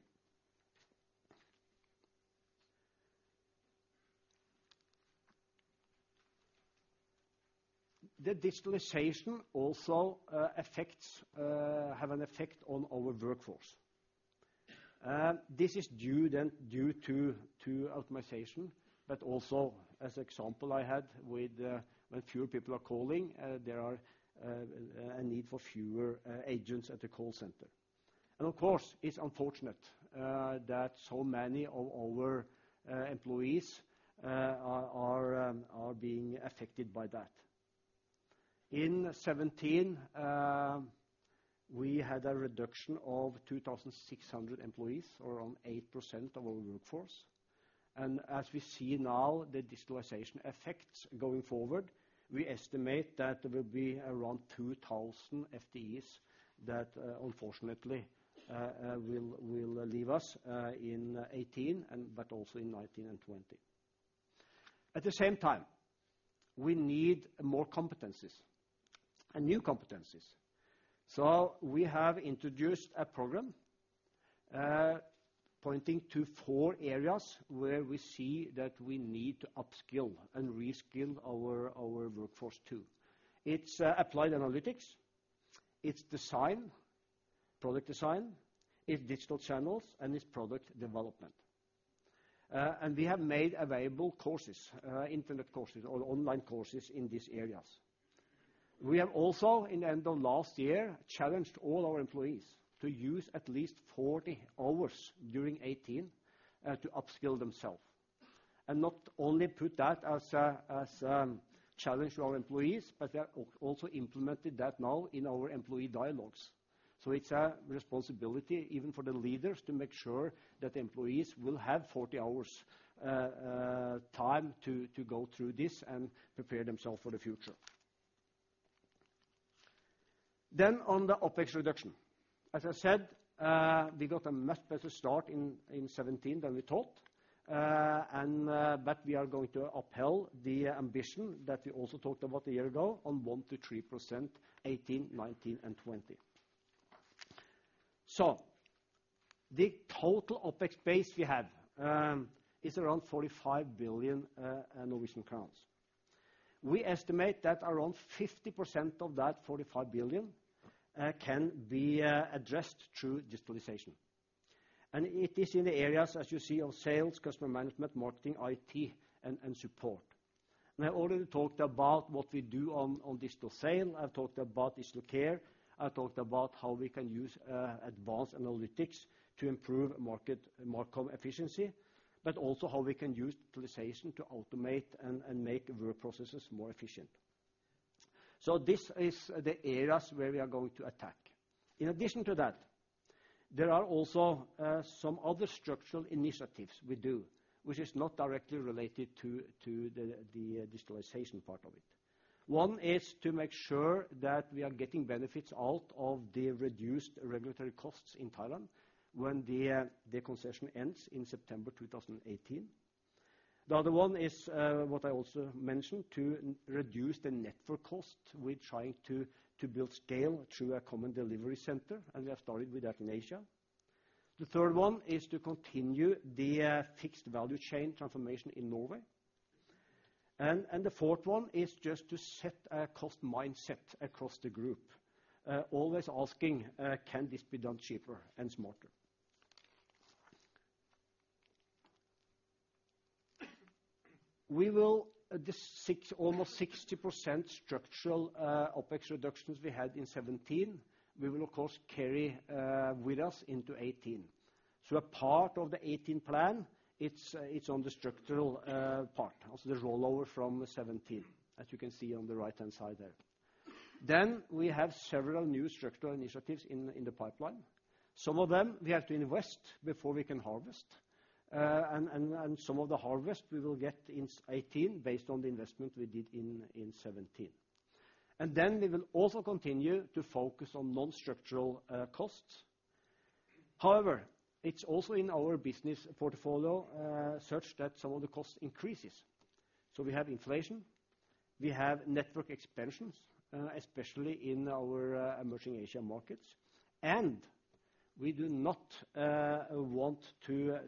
C: The digitalization also affects has an effect on our workforce. This is due then, due to optimization, but also as example I had with when fewer people are calling, there are a need for fewer agents at the call center. And of course, it's unfortunate that so many of our employees are being affected by that. In 2017, we had a reduction of 2,600 employees, or around 8% of our workforce. As we see now, the digitalization effects going forward, we estimate that there will be around 2000 FTEs that, unfortunately, will leave us in 2018, and but also in 2019 and 2020. At the same time, we need more competencies and new competencies. We have introduced a program pointing to four areas where we see that we need to upskill and reskill our workforce, too. It's applied analytics, it's design, product design, it's digital channels, and it's product development. And we have made available courses, internet courses or online courses in these areas. We have also, in the end of last year, challenged all our employees to use at least 40 hours during 2018 to upskill themselves. Not only put that as a challenge to our employees, but we have also implemented that now in our employee dialogues. So it's a responsibility, even for the leaders, to make sure that employees will have 40 hours time to go through this and prepare themselves for the future. Then on the OpEx reduction. As I said, we got a much better start in 2017 than we thought. But we are going to uphold the ambition that we also talked about a year ago on 1%-3%, 2018, 2019, and 2020. So the total OpEx base we have is around 45 billion Norwegian crowns. We estimate that around 50% of that 45 billion can be addressed through digitalization. And it is in the areas, as you see, of sales, customer management, marketing, IT, and support. I already talked about what we do on digital sale. I've talked about digital care. I talked about how we can use advanced analytics to improve market marcom efficiency, but also how we can use digitalization to automate and make work processes more efficient. So this is the areas where we are going to attack. In addition to that, there are also some other structural initiatives we do, which is not directly related to the digitalization part of it. One is to make sure that we are getting benefits out of the reduced regulatory costs in Thailand when the concession ends in September 2018. The other one is what I also mentioned, to reduce the network cost. We're trying to build scale through a common delivery center, and we have started with that in Asia. The third one is to continue the fixed value chain transformation in Norway. And the fourth one is just to set a cost mindset across the group, always asking, "Can this be done cheaper and smarter?" We will, the 6, almost 60% structural OpEx reductions we had in 2017, we will of course carry with us into 2018. So a part of the 2018 plan, it's on the structural part, also the rollover from 2017, as you can see on the right-hand side there. Then we have several new structural initiatives in the pipeline. Some of them we have to invest before we can harvest, and some of the harvest we will get in 2018, based on the investment we did in 2017. And then we will also continue to focus on non-structural costs. However, it's also in our business portfolio, such that some of the cost increases. So we have inflation, we have network expansions, especially in our emerging Asia markets, and we do not want to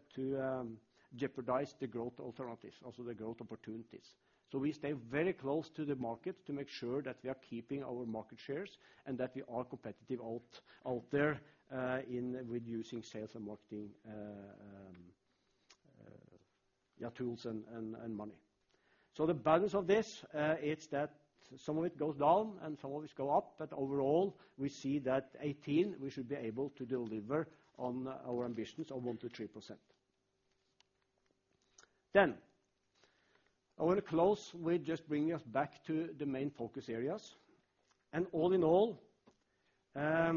C: jeopardize the growth alternatives, also the growth opportunities. So we stay very close to the market to make sure that we are keeping our market shares, and that we are competitive out there in reducing sales and marketing tools and money. So the balance of this, it's that some of it goes down and some of it goes up, but overall, we see that 2018, we should be able to deliver on our ambitions of 1%-3%. Then I want to close with just bringing us back to the main focus areas. And all in all, I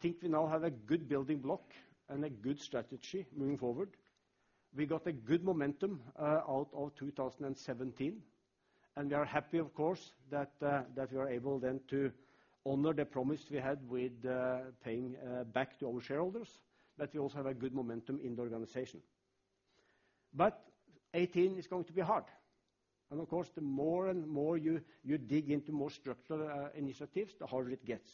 C: think we now have a good building block and a good strategy moving forward. We got a good momentum out of 2017, and we are happy, of course, that we are able then to honor the promise we had with paying back to our shareholders, that we also have a good momentum in the organization. But 2018 is going to be hard, and of course, the more and more you dig into more structural initiatives, the harder it gets.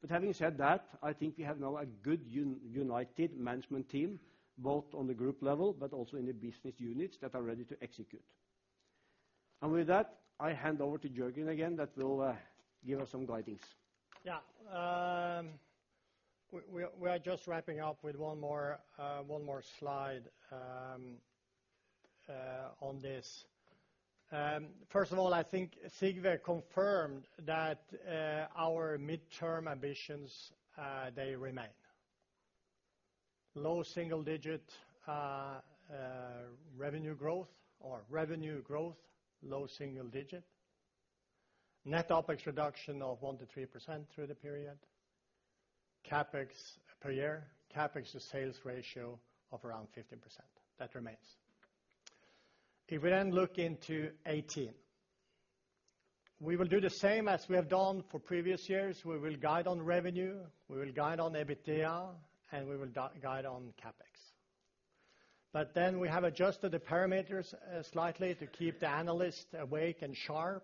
C: But having said that, I think we have now a good united management team, both on the group level, but also in the business units that are ready to execute. And with that, I hand over to Jørgen again, that will give us some guidance.
B: Yeah. We are just wrapping up with one more slide on this. First of all, I think Sigve confirmed that our midterm ambitions they remain. Low single digit revenue growth, low single digit. Net OpEx reduction of 1%-3% through the period. CapEx per year, CapEx to sales ratio of around 15%, that remains. If we then look into 2018, we will do the same as we have done for previous years. We will guide on revenue, we will guide on EBITDA, and we will guide on CapEx. But then we have adjusted the parameters slightly to keep the analysts awake and sharp,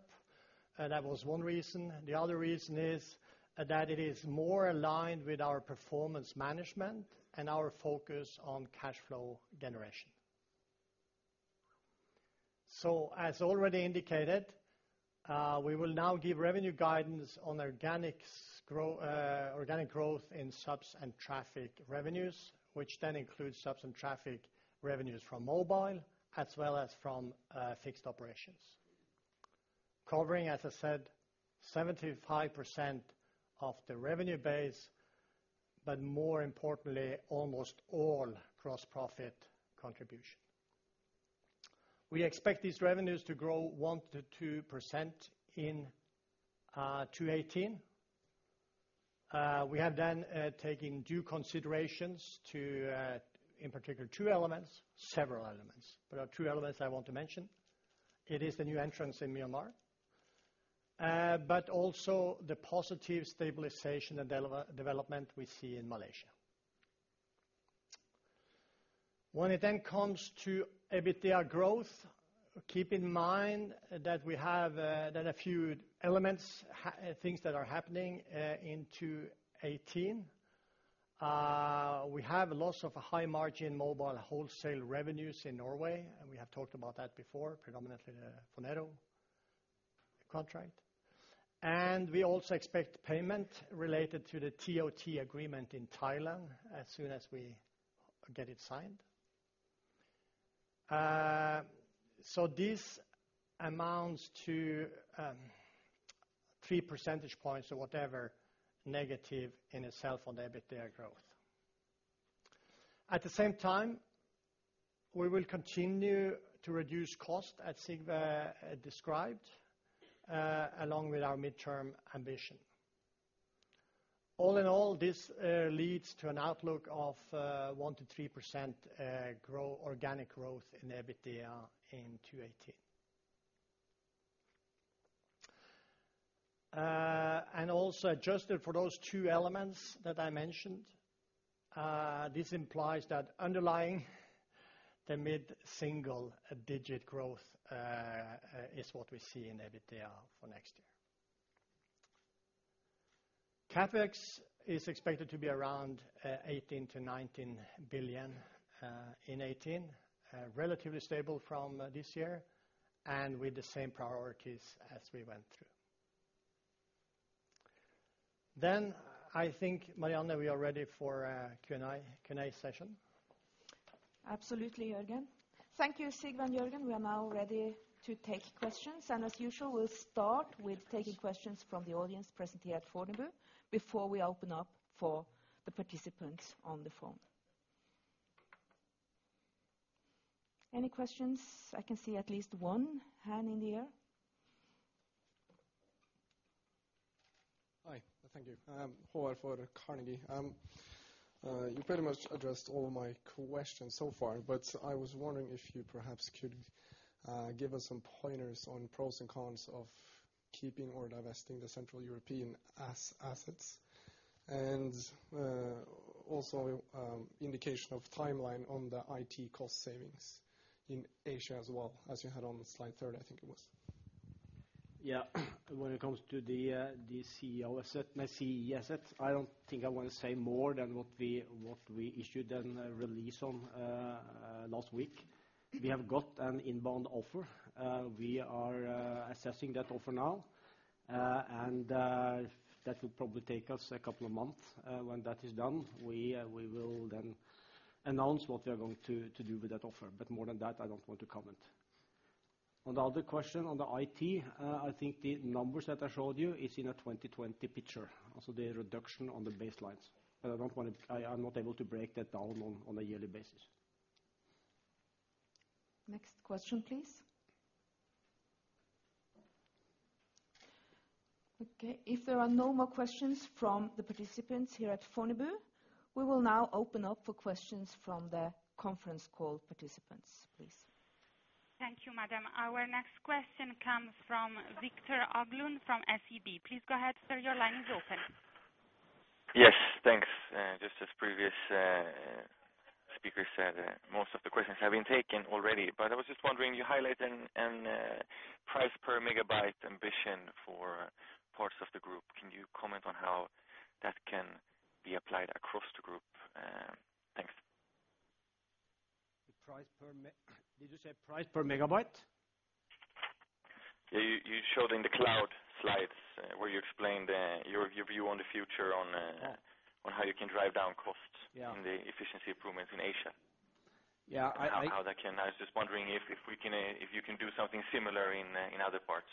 B: and that was one reason. The other reason is that it is more aligned with our performance management and our focus on cash flow generation. As already indicated, we will now give revenue guidance on organic growth in subs and traffic revenues, which then includes subs and traffic revenues from mobile, as well as from fixed operations. Covering, as I said, 75% of the revenue base, but more importantly, almost all gross profit contribution. We expect these revenues to grow 1%-2% in 2018. We have then taking due considerations to, in particular, two elements, several elements, but two elements I want to mention. It is the new entrants in Myanmar, but also the positive stabilization and development we see in Malaysia. When it then comes to EBITDA growth, keep in mind that we have that a few elements, things that are happening in 2018. We have loss of a high margin mobile wholesale revenues in Norway, and we have talked about that before, predominantly the Fonero contract. And we also expect payment related to the TOT agreement in Thailand as soon as we get it signed. So this amounts to, 3 percentage points or whatever, negative in itself on the EBITDA growth. At the same time, we will continue to reduce cost, as Sigve described, along with our midterm ambition. All in all, this leads to an outlook of, 1%-3%, organic growth in EBITDA in 2018. And also adjusted for those two elements that I mentioned, this implies that underlying the mid-single digit growth, is what we see in EBITDA for next year. CapEx is expected to be around, 18 billiion -19 billion, in 2018. Relatively stable from this year, and with the same priorities as we went through. Then I think, Marianne, we are ready for Q&A session.
A: Absolutely, Jørgen. Thank you, Sigve and Jørgen. We are now ready to take questions, and as usual, we'll start with taking questions from the audience presently at Fornebu, before we open up for the participants on the phone. Any questions? I can see at least one hand in the air.
D: Hi, thank you. Howard Ford, Carnegie. You pretty much addressed all my questions so far, but I was wondering if you perhaps could give us some pointers on pros and cons of keeping or divesting the Central European assets, and also indication of timeline on the IT cost savings in Asia as well, as you had on the slide 30, I think it was.
C: Yeah. When it comes to the CEE asset, I don't think I want to say more than what we issued a release on last week. We have got an inbound offer. We are assessing that offer now, and that will probably take us a couple of months. When that is done, we will then announce what we are going to do with that offer. But more than that, I don't want to comment. On the other question, on the IT, I think the numbers that I showed you is in a 2020 picture, also the reduction on the baselines. But I don't want to... I'm not able to break that down on a yearly basis.
A: Next question, please. Okay, if there are no more questions from the participants here at Fornebu, we will now open up for questions from the conference call participants, please.
E: Thank you, madam. Our next question comes from Victor Agulon from SEB. Please go ahead, sir, your line is open.
F: Yes, thanks. Just as previous speaker said, most of the questions have been taken already. But I was just wondering, you highlight a price per megabyte ambition for parts of the group. Can you comment on how that can be applied across the group?...
B: The price per megabyte? Did you say price per megabyte?
F: Yeah, you, you showed in the cloud slides, where you explained, your, your view on the future on,
B: Yeah
F: on how you can drive down costs
B: Yeah
F: on the efficiency improvements in Asia.
B: Yeah, I-
F: How that can... I was just wondering if we can, if you can do something similar in other parts?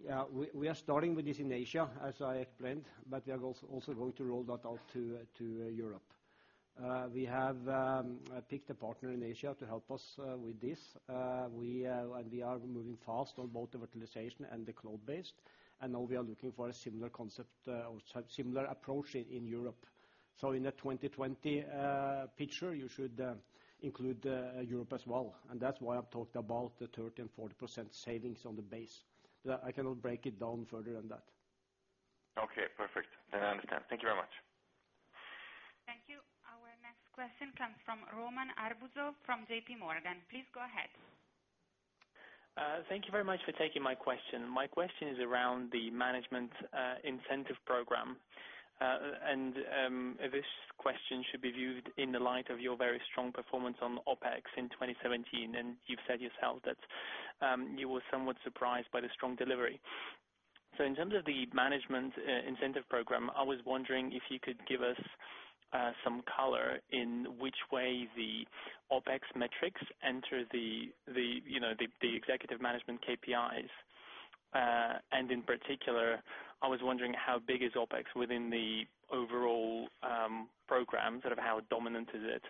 B: Yeah, we are starting with this in Asia, as I explained, but we are also going to roll that out to Europe. We have picked a partner in Asia to help us with this. We are moving fast on both the virtualization and the cloud-based, and now we are looking for a similar concept or similar approach in Europe. So in the 2020 picture, you should include Europe as well, and that's why I've talked about the 30% and 40% savings on the base. But I cannot break it down further than that.
F: Okay, perfect. Then I understand. Thank you very much.
E: Thank you. Our next question comes from Roman Arbuzov from JP Morgan. Please go ahead.
G: Thank you very much for taking my question. My question is around the management incentive program. This question should be viewed in the light of your very strong performance on the OpEx in 2017, and you've said yourself that you were somewhat surprised by the strong delivery. So in terms of the management incentive program, I was wondering if you could give us some color in which way the OpEx metrics enter the, you know, the executive management KPIs. And in particular, I was wondering how big is OpEx within the overall program? Sort of how dominant is it?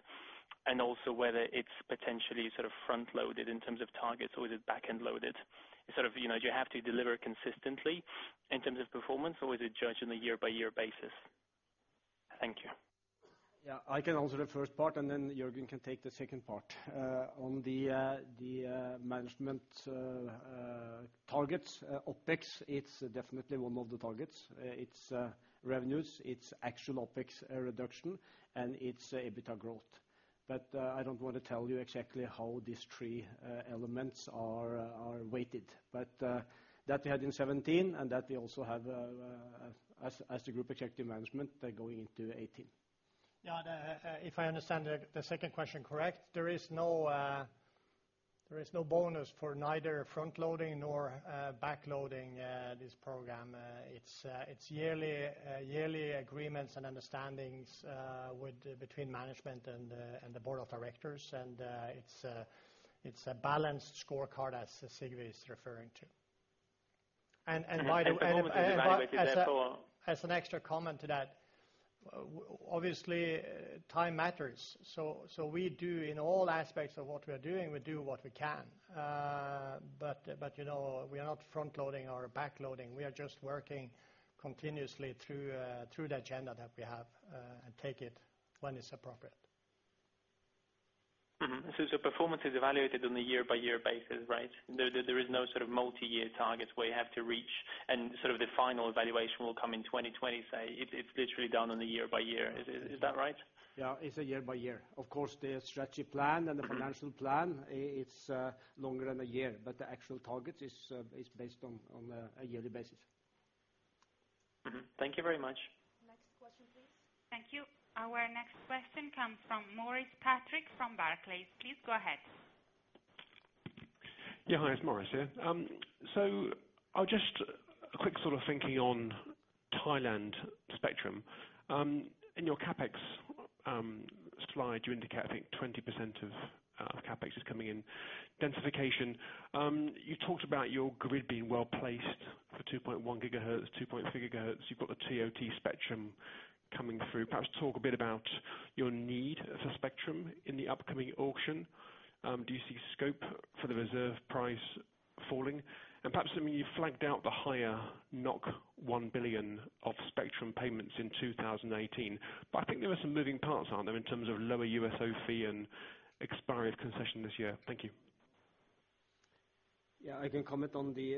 G: And also whether it's potentially sort of front loaded in terms of targets, or is it back-end loaded? Sort of, you know, do you have to deliver consistently in terms of performance, or is it judged on a year-by-year basis? Thank you.
C: Yeah, I can answer the first part, and then Jørgen can take the second part. On the management targets, OpEx, it's definitely one of the targets. It's revenues, it's actual OpEx reduction, and it's EBITDA growth. But I don't want to tell you exactly how these three elements are weighted. But that we had in 2017, and that we also have as the group executive management going into 2018.
B: Yeah, if I understand the second question correct, there is no bonus for neither front loading nor back loading this program. It's yearly agreements and understandings between management and the board of directors, and it's a balanced scorecard, as Sigve is referring to. And why do-
G: The performance is evaluated, therefore-
B: As an extra comment to that, obviously, time matters, so we do in all aspects of what we are doing, we do what we can. But you know, we are not front loading or back loading, we are just working continuously through the agenda that we have, and take it when it's appropriate.
G: Mm-hmm. So, performance is evaluated on a year-by-year basis, right? There is no sort of multi-year targets where you have to reach, and sort of the final evaluation will come in 2020, say. It's literally done on a year by year. Is that right?
B: Yeah, it's a year by year. Of course, the strategy plan and the financial plan, it's longer than a year, but the actual target is based on a yearly basis.
G: Mm-hmm. Thank you very much.
A: Next question, please.
E: Thank you. Our next question comes from Maurice Patrick from Barclays. Please go ahead.
H: Yeah, hi, it's Maurice here. So I'll just... A quick sort of thinking on Thailand Spectrum. In your CapEx slide, you indicate, I think, 20% of CapEx is coming in densification. You talked about your grid being well placed for 2.1 gigahertz, 2.3 gigahertz. You've got the TOT spectrum coming through. Perhaps talk a bit about your need for spectrum in the upcoming auction. Do you see scope for the reserve price falling? And perhaps, I mean, you flagged out the higher 1 billion of spectrum payments in 2018, but I think there are some moving parts, aren't there, in terms of lower USOF fee and expired concession this year? Thank you.
C: Yeah, I can comment on the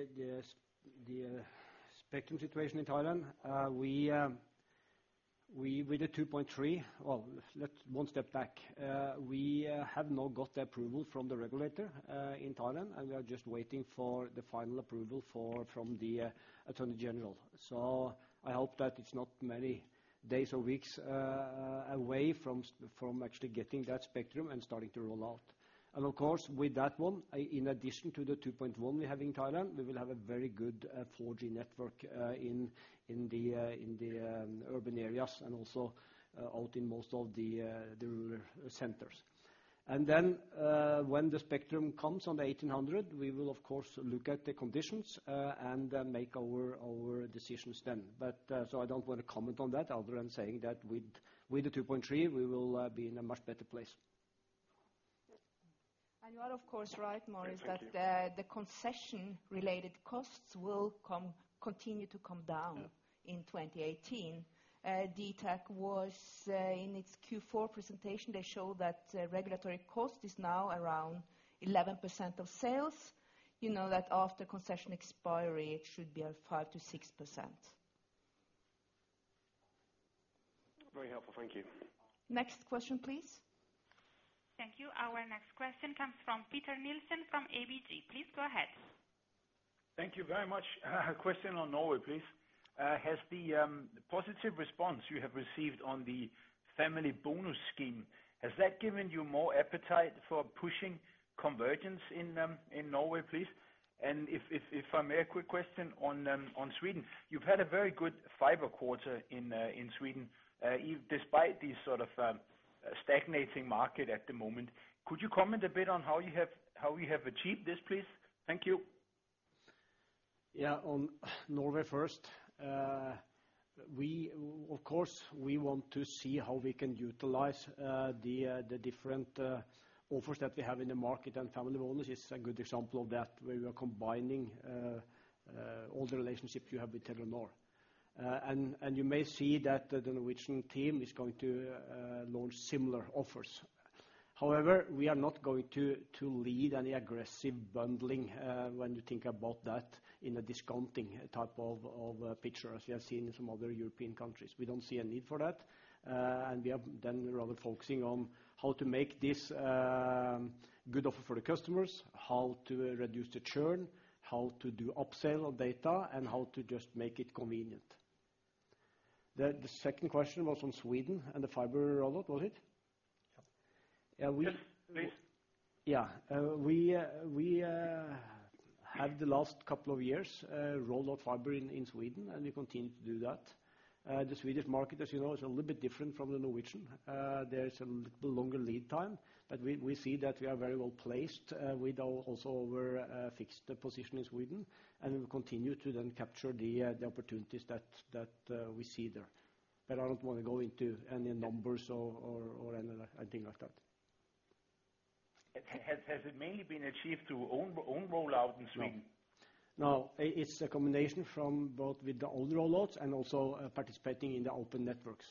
C: spectrum situation in Thailand. Well, let's take one step back. We have now got the approval from the regulator in Thailand, and we are just waiting for the final approval from the Attorney General. So I hope that it's not many days or weeks away from actually getting that spectrum and starting to roll out. And of course, with that one, in addition to the 2.1 we have in Thailand, we will have a very good 4G network in the urban areas, and also out in most of the rural centers. Then, when the spectrum comes on the 1,800, we will of course look at the conditions and make our decisions then. But so I don't want to comment on that other than saying that with the 2.3, we will be in a much better place.
A: You are, of course, right, Maurice-
H: Thank you...
A: that the concession-related costs will continue to come down in 2018. DTAC was in its Q4 presentation, they showed that regulatory cost is now around 11% of sales. You know that after concession expiry, it should be around 5%-6%.
H: Very helpful. Thank you.
A: Next question, please.
E: Thank you. Our next question comes from Peter Nielsen from ABG. Please go ahead.
I: ...Thank you very much. A question on Norway, please. Has the positive response you have received on the family bonus scheme given you more appetite for pushing convergence in Norway, please? If I may, a quick question on Sweden. You've had a very good fiber quarter in Sweden, despite the sort of stagnating market at the moment. Could you comment a bit on how you have achieved this, please? Thank you.
C: Yeah, on Norway first. We, of course, we want to see how we can utilize the different offers that we have in the market, and family bonus is a good example of that, where we are combining all the relationships you have with Telenor. And you may see that the Norwegian team is going to launch similar offers. However, we are not going to lead any aggressive bundling, when you think about that in a discounting type of picture, as we have seen in some other European countries. We don't see a need for that, and we are then rather focusing on how to make this good offer for the customers, how to reduce the churn, how to do upsell of data, and how to just make it convenient. The second question was on Sweden and the fiber rollout, was it?
I: Yeah.
C: Yeah, we-
I: Yes, please.
C: Yeah. We had the last couple of years rolled out fiber in Sweden, and we continue to do that. The Swedish market, as you know, is a little bit different from the Norwegian. There is a little longer lead time, but we see that we are very well placed with our also our fixed position in Sweden, and we will continue to then capture the opportunities that we see there. But I don't want to go into any numbers or any other anything like that.
I: Has it mainly been achieved through own rollout in Sweden?
C: No. No, it's a combination from both with the old rollouts and also, participating in the open networks.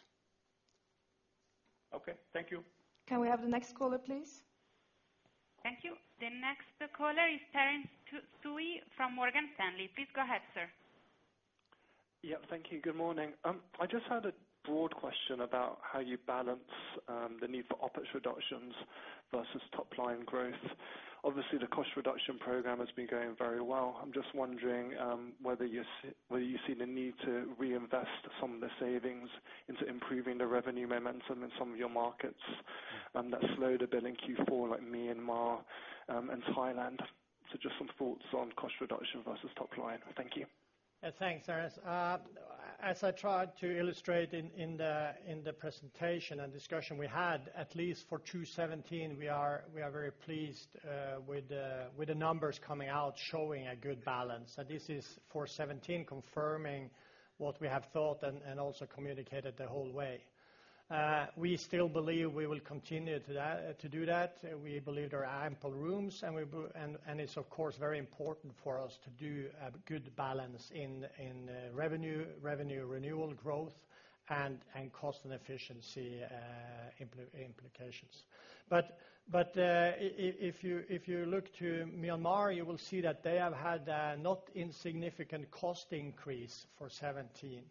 I: Okay, thank you.
A: Can we have the next caller, please?
E: Thank you. The next caller is Terence Tsui from Morgan Stanley. Please go ahead, sir.
J: Yeah, thank you. Good morning. I just had a broad question about how you balance the need for OpEx reductions versus top line growth. Obviously, the cost reduction program has been going very well. I'm just wondering whether you see the need to reinvest some of the savings into improving the revenue momentum in some of your markets that slowed a bit in Q4, like Myanmar and Thailand. So just some thoughts on cost reduction versus top line. Thank you.
B: Thanks, Terence. As I tried to illustrate in the presentation and discussion we had, at least for 2017, we are very pleased with the numbers coming out, showing a good balance. So this is for 2017 confirming what we have thought and also communicated the whole way. We still believe we will continue to do that. We believe there are ample rooms, and it's of course very important for us to do a good balance in revenue renewal growth and cost and efficiency implications. But if you look to Myanmar, you will see that they have had a not insignificant cost increase for 2017.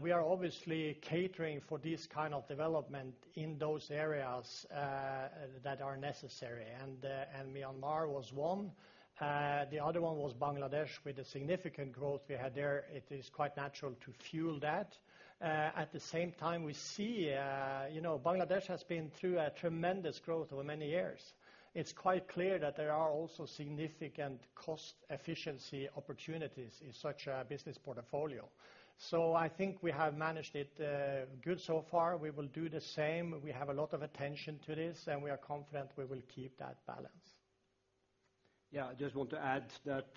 B: We are obviously catering for this kind of development in those areas that are necessary, and, and Myanmar was one. The other one was Bangladesh, with the significant growth we had there, it is quite natural to fuel that. At the same time, we see, you know, Bangladesh has been through a tremendous growth over many years. It's quite clear that there are also significant cost efficiency opportunities in such a business portfolio. So I think we have managed it good so far. We will do the same. We have a lot of attention to this, and we are confident we will keep that balance.
C: Yeah, I just want to add that,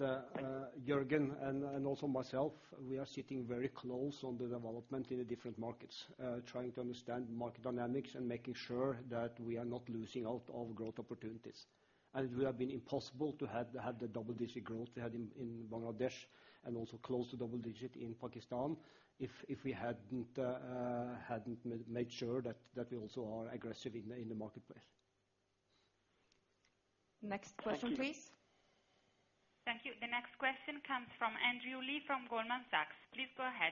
C: Jørgen and also myself, we are sitting very close on the development in the different markets, trying to understand market dynamics and making sure that we are not losing out on growth opportunities. And it would have been impossible to have the double-digit growth we had in Bangladesh and also close to double digit in Pakistan if we hadn't made sure that we also are aggressive in the marketplace.
A: Next question, please.
E: Thank you. The next question comes from Andrew Lee from Goldman Sachs. Please go ahead.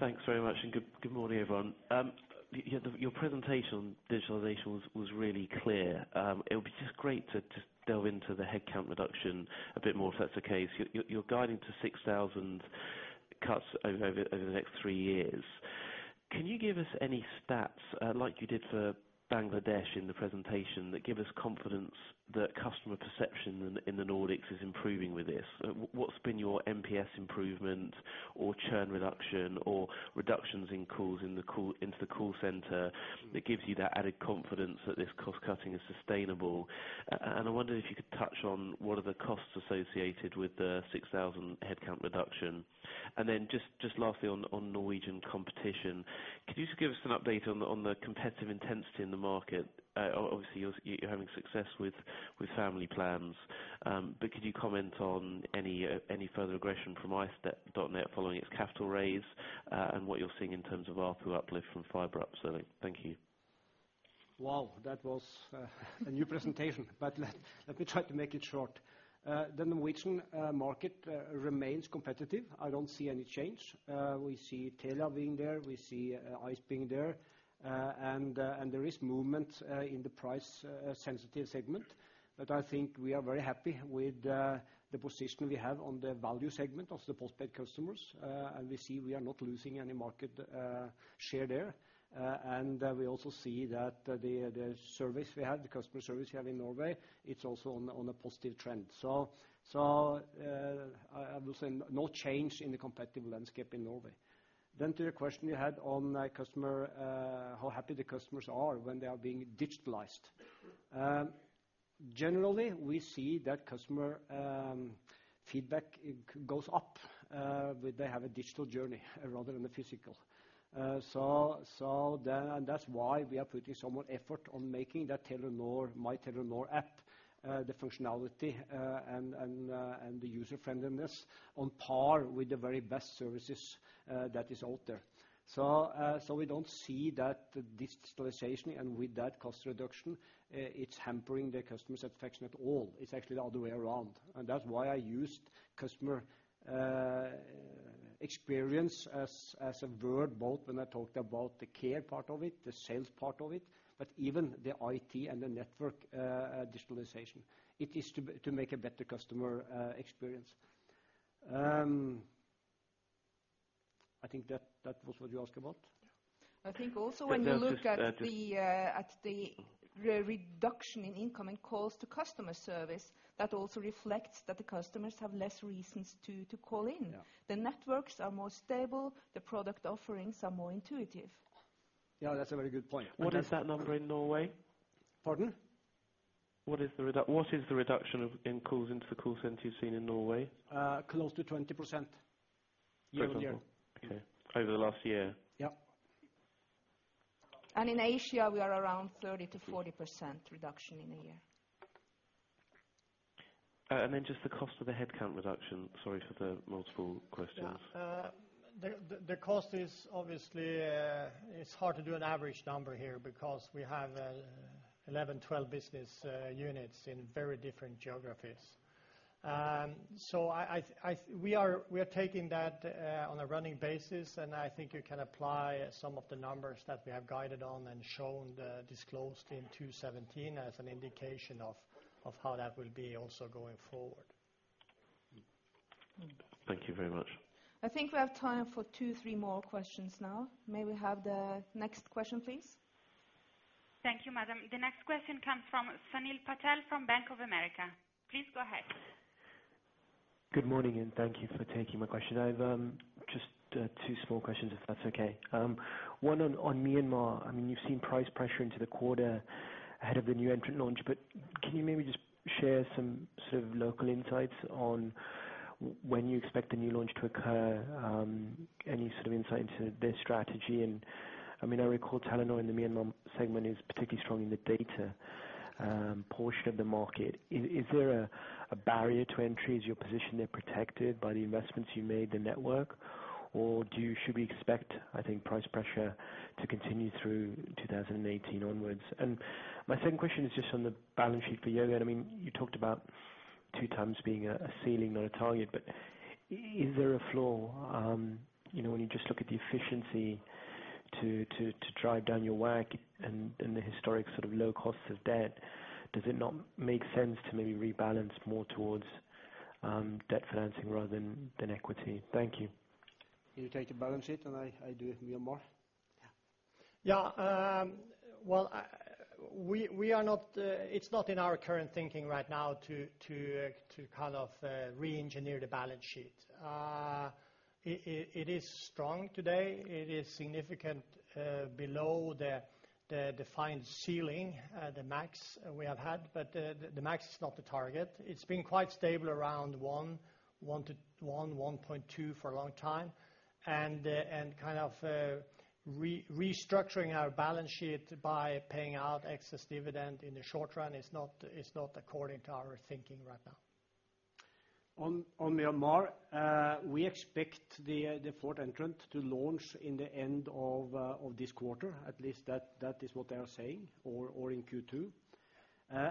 K: Thanks very much, and good morning, everyone. Your presentation on digitalization was really clear. It would be just great to delve into the headcount reduction a bit more, if that's the case. You're guiding to 6,000 cuts over the next three years. Can you give us any stats, like you did for Bangladesh in the presentation, that give us confidence that customer perception in the Nordics is improving with this? What's been your MPS improvement or churn reduction or reductions in calls into the call center that gives you that added confidence that this cost cutting is sustainable? And I wonder if you could touch on what are the costs associated with the 6,000 headcount reduction. And then just lastly on Norwegian competition, could you just give us an update on the competitive intensity in the market? Obviously, you're having success with family plans, but could you comment on any further aggression from Ice.net following its capital raise, and what you're seeing in terms of ARPU uplift from fiber upselling? Thank you.
C: ...Wow! That was a new presentation, but let me try to make it short. The Norwegian market remains competitive. I don't see any change. We see Telia being there, we see ICE being there, and there is movement in the price sensitive segment. But I think we are very happy with the position we have on the value segment of the post-paid customers, and we see we are not losing any market share there. And we also see that the service we have, the customer service we have in Norway, it's also on a positive trend. So I will say no change in the competitive landscape in Norway. Then to the question you had on customer how happy the customers are when they are being digitalized. Generally, we see that customer feedback it goes up when they have a digital journey rather than the physical. So, so then—and that's why we are putting some more effort on making that Telenor My Telenor app the functionality and, and, and the user friendliness on par with the very best services that is out there. So, so we don't see that digitalization, and with that, cost reduction it's hampering the customer satisfaction at all. It's actually the other way around, and that's why I used customer experience as, as a word, both when I talked about the care part of it, the sales part of it, but even the IT and the network digitalization. It is to make a better customer experience. I think that was what you asked about?
A: I think also when you look at the, at the reduction in incoming calls to customer service, that also reflects that the customers have less reasons to call in.
C: Yeah.
A: The networks are more stable, the product offerings are more intuitive.
C: Yeah, that's a very good point.
L: What is that number in Norway?
C: Pardon?
L: What is the reduction of in calls into the call center you've seen in Norway?
C: Close to 20% year-on-year.
L: Okay. Over the last year?
C: Yeah.
A: In Asia, we are around a 30%-40% reduction in a year.
L: And then just the cost of the headcount reduction. Sorry for the multiple questions.
C: The cost is obviously. It's hard to do an average number here because we have 11, 12 business units in very different geographies. So we are taking that on a running basis, and I think you can apply some of the numbers that we have guided on and shown, disclosed in 2017 as an indication of how that will be also going forward.
L: Thank you very much.
A: I think we have time for two, three more questions now. May we have the next question, please?
E: Thank you, madam. The next question comes from Sunil Patel from Bank of America. Please go ahead.
M: Good morning, and thank you for taking my question. I've just two small questions, if that's okay. One on Myanmar. I mean, you've seen price pressure into the quarter ahead of the new entrant launch, but can you maybe just share some sort of local insights on when you expect the new launch to occur? Any sort of insight into their strategy? And, I mean, I recall Telenor in the Myanmar segment is particularly strong in the data portion of the market. Is there a barrier to entry? Is your position there protected by the investments you made, the network, or should we expect, I think, price pressure to continue through 2018 onwards? And my second question is just on the balance sheet for Telenor. I mean, you talked about two times being a ceiling, not a target, but is there a flaw? You know, when you just look at the efficiency to drive down your WACC and the historic sort of low cost of debt, does it not make sense to maybe rebalance more towards debt financing rather than equity? Thank you.
C: You take the balance sheet, and I do Myanmar.
A: Yeah.
C: Yeah, well, we are not... It's not in our current thinking right now to kind of re-engineer the balance sheet. It is strong today. It is significantly below the defined ceiling, the max we have had, but the max is not the target. It's been quite stable around 1.0 to 1.2 for a long time. And kind of restructuring our balance sheet by paying out excess dividend in the short run is not according to our thinking right now. On Myanmar, we expect the fourth entrant to launch in the end of this quarter, at least that is what they are saying, or in Q2.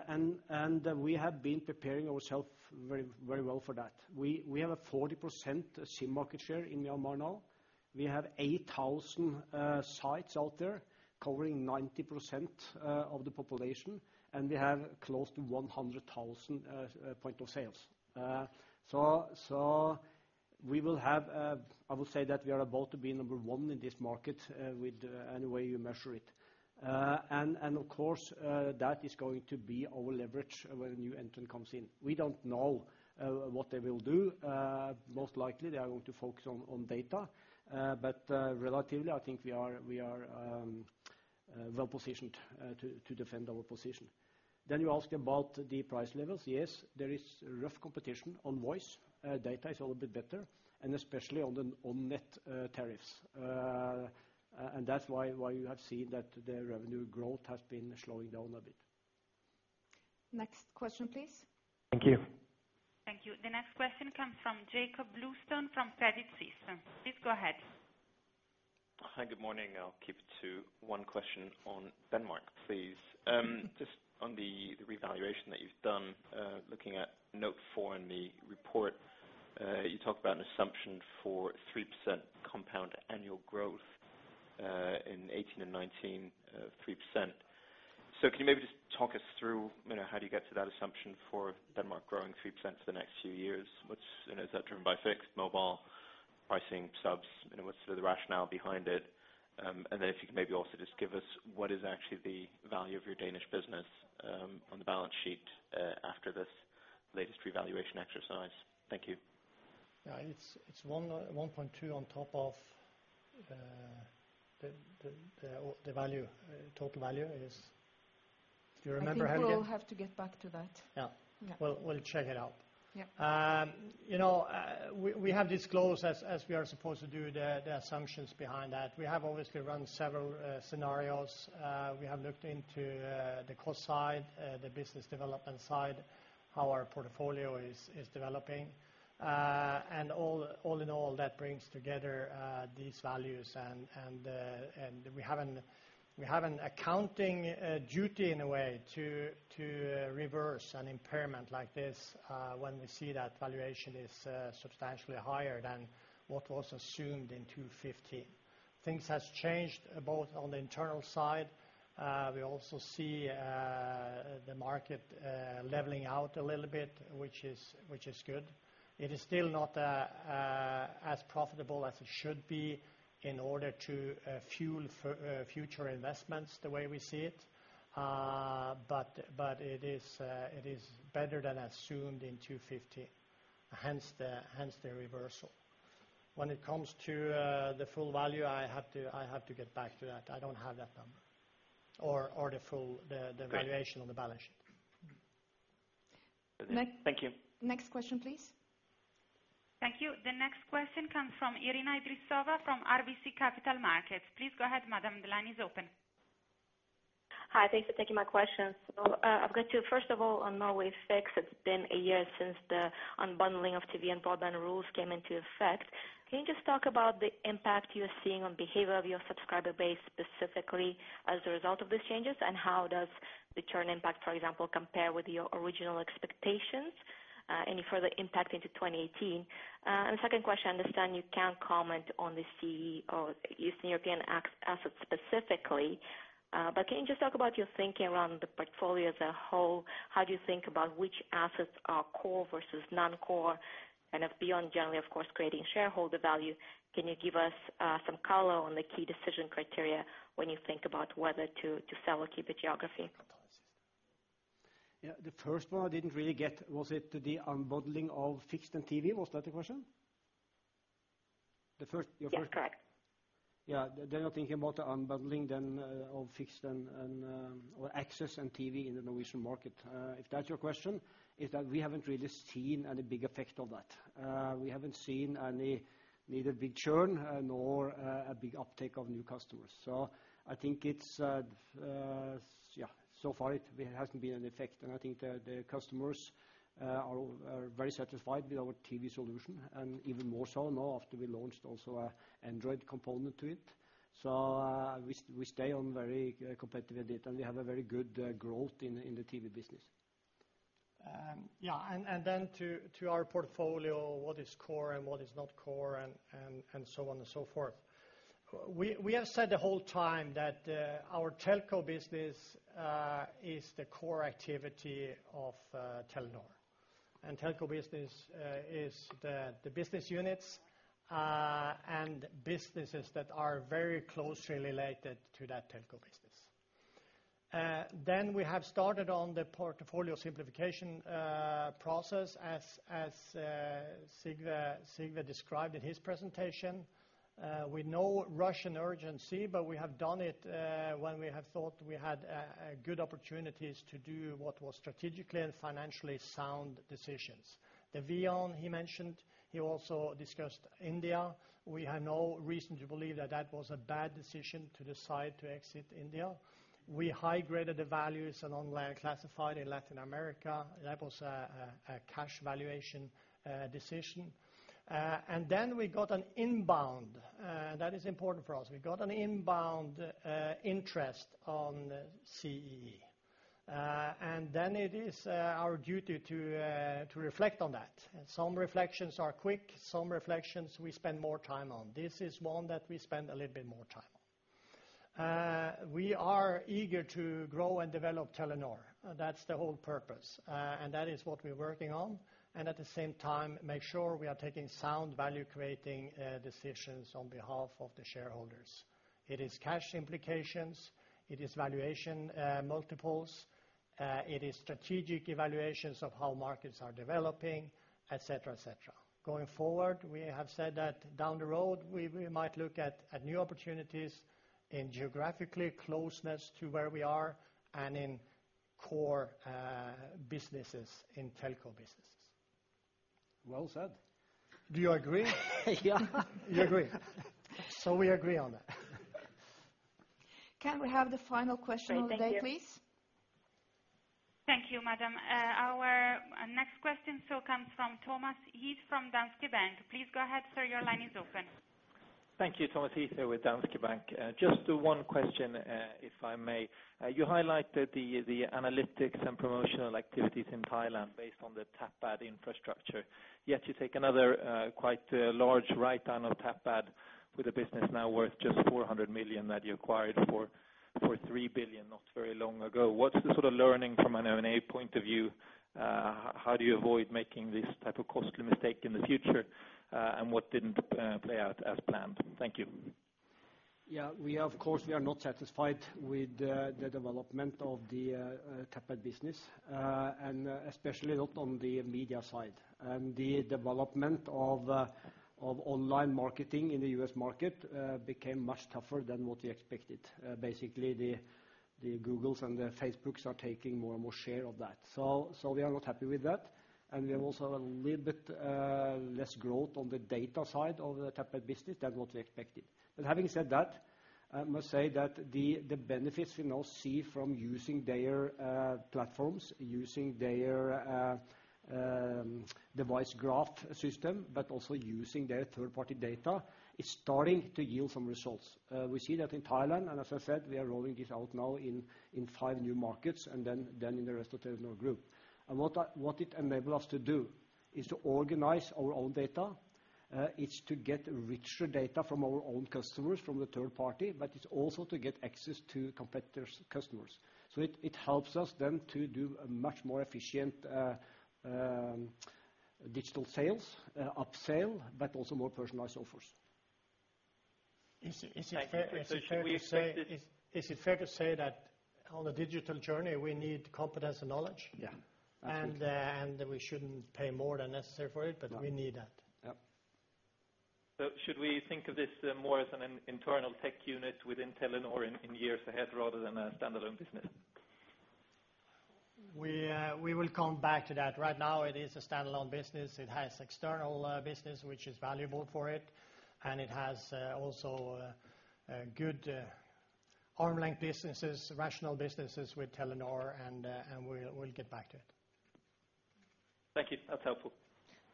C: And we have been preparing ourselves very, very well for that. We have a 40% SIM market share in Myanmar now. We have 8,000 sites out there covering 90% of the population, and we have close to 100,000 point of sales. So we will have, I would say that we are about to be number one in this market, with any way you measure it. And of course, that is going to be our leverage when a new entrant comes in. We don't know what they will do. Most likely, they are going to focus on data. But relatively, I think we are well positioned to defend our position. Then you ask about the price levels. Yes, there is rough competition on voice. Data is a little bit better, and especially on the on-net tariffs. And that's why you have seen that the revenue growth has been slowing down a bit....
A: Next question, please.
M: Thank you.
E: Thank you. The next question comes from Jakob Bluestone from Credit Suisse. Please go ahead.
N: Hi, good morning. I'll keep it to one question on Denmark, please. Just on the revaluation that you've done, looking at note 4 in the report, you talk about an assumption for 3% compound annual growth, in 2018 and 2019, 3%. So can you maybe just talk us through, you know, how do you get to that assumption for Denmark growing 3% for the next few years? What's and is that driven by fixed, mobile, pricing, subs? You know, what's the rationale behind it? And then if you could maybe also just give us what is actually the value of your Danish business, on the balance sheet, after this latest revaluation exercise? Thank you.
B: Yeah, it's 1.2 on top of the value. Total value is... Do you remember how to get-
A: I think we'll have to get back to that.
B: Yeah.
A: Yeah.
B: We'll check it out.
A: Yeah.
B: You know, we have disclosed, as we are supposed to do, the assumptions behind that. We have obviously run several scenarios. We have looked into the cost side, the business development side, how our portfolio is developing. And all in all, that brings together these values. And we have an accounting duty in a way to reverse an impairment like this, when we see that valuation is substantially higher than what was assumed in 2015. Things has changed both on the internal side. We also see the market leveling out a little bit, which is good. It is still not as profitable as it should be in order to fuel future investments the way we see it. But it is better than assumed in 250, hence the reversal. When it comes to the full value, I have to get back to that. I don't have that number or the full.
N: Great...
B: valuation on the balance sheet.
N: Thank you.
A: Next question, please.
E: Thank you. The next question comes from Irina Idrissova from RBC Capital Markets. Please go ahead, madam, the line is open.
O: Hi, thanks for taking my question. So, I've got to first of all, on Norway Fixed, it's been a year since the unbundling of TV and broadband rules came into effect. Can you just talk about the impact you are seeing on behavior of your subscriber base, specifically as a result of these changes? And how does the churn impact, for example, compare with your original expectations, any further impact into 2018? And second question, I understand you can't comment on the CEE or Eastern European assets specifically, but can you just talk about your thinking around the portfolio as a whole? How do you think about which assets are core versus non-core? If beyond generally, of course, creating shareholder value, can you give us some color on the key decision criteria when you think about whether to sell or keep a geography?
B: Yeah, the first one I didn't really get. Was it the unbundling of Fixed and TV? Was that the question? The first, your first-
O: Yes, correct.
B: Yeah. They are thinking about the unbundling then of Fixed and or Access and TV in the Norwegian market. If that's your question, is that we haven't really seen any big effect of that. We haven't seen any neither big churn nor a big uptick of new customers. So I think it's yeah so far it there hasn't been an effect, and I think the customers are very satisfied with our TV solution, and even more so now after we launched also an Android component to it. So we stay on very competitive with it, and we have a very good growth in the TV business.
C: Yeah, and then to our portfolio, what is core and what is not core, and so on and so forth. We have said the whole time that our telco business is the core activity of Telenor. Telco business is the business units and businesses that are very closely related to that telco business. Then we have started on the portfolio simplification process, as Sigve described in his presentation. We know Russian urgency, but we have done it when we have thought we had a good opportunities to do what was strategically and financially sound decisions. The VEON he mentioned, he also discussed India. We had no reason to believe that that was a bad decision to decide to exit India. We high-graded the values and unclassified in Latin America. That was a cash valuation decision. And then we got an inbound that is important for us. We got an inbound interest on CEE, and then it is our duty to reflect on that. Some reflections are quick, some reflections we spend more time on. This is one that we spend a little bit more time on. We are eager to grow and develop Telenor. That's the whole purpose, and that is what we're working on, and at the same time, make sure we are taking sound value creating decisions on behalf of the shareholders. It is cash implications, it is valuation multiples, it is strategic evaluations of how markets are developing, et cetera, et cetera. Going forward, we have said that down the road, we might look at new opportunities in geographically closeness to where we are and in core businesses, in telco businesses. Well said. Do you agree? Yeah. You agree?
B: We agree on that....
A: Can we have the final question of the day, please?
E: Thank you, madam. Our next question so comes from Thomas Heath from Danske Bank. Please go ahead, sir, your line is open.
P: Thank you, Thomas Heath with Danske Bank. Just one question, if I may. You highlighted the analytics and promotional activities in Thailand based on the Tapad infrastructure. Yet you take another quite large write-down on Tapad, with the business now worth just 400 million that you acquired for 3 billion not very long ago. What's the sort of learning from an M&A point of view? How do you avoid making this type of costly mistake in the future? And what didn't play out as planned? Thank you.
C: Yeah, we of course, we are not satisfied with the development of the Tapad business. And especially not on the media side. And the development of online marketing in the U.S. market became much tougher than what we expected. Basically, the Googles and the Facebooks are taking more and more share of that. So we are not happy with that, and we have also a little bit less growth on the data side of the Tapad business than what we expected. But having said that, I must say that the benefits we now see from using their platforms, using their Device Graph system, but also using their third-party data, is starting to yield some results. We see that in Thailand, and as I said, we are rolling this out now in five new markets and then in the rest of Telenor Group. And what it enable us to do is to organize our own data. It's to get richer data from our own customers, from the third party, but it's also to get access to competitors' customers. So it helps us then to do a much more efficient digital sales, up-sale, but also more personalized offers.
P: Is it fair- Thank you. So should we expect it- Is it fair to say that on the digital journey, we need competence and knowledge?
C: Yeah, absolutely.
P: We shouldn't pay more than necessary for it.
C: No.
P: But we need that.
C: Yep.
P: So should we think of this more as an internal tech unit within Telenor in years ahead, rather than a standalone business?
C: We, we will come back to that. Right now, it is a standalone business. It has external business, which is valuable for it, and it has also a good arm's-length businesses, rational businesses with Telenor, and, and we'll, we'll get back to it.
P: Thank you. That's helpful.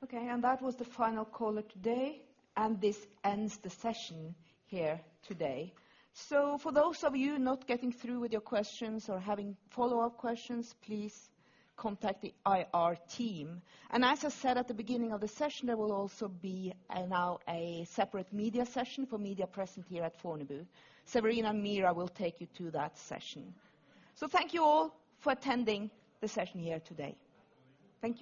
A: Okay, and that was the final caller today, and this ends the session here today. So for those of you not getting through with your questions or having follow-up questions, please contact the IR team. And as I said at the beginning of the session, there will also be now a separate media session for media present here at Fornebu. Serena and Mira will take you to that session. So thank you all for attending the session here today. Thank you.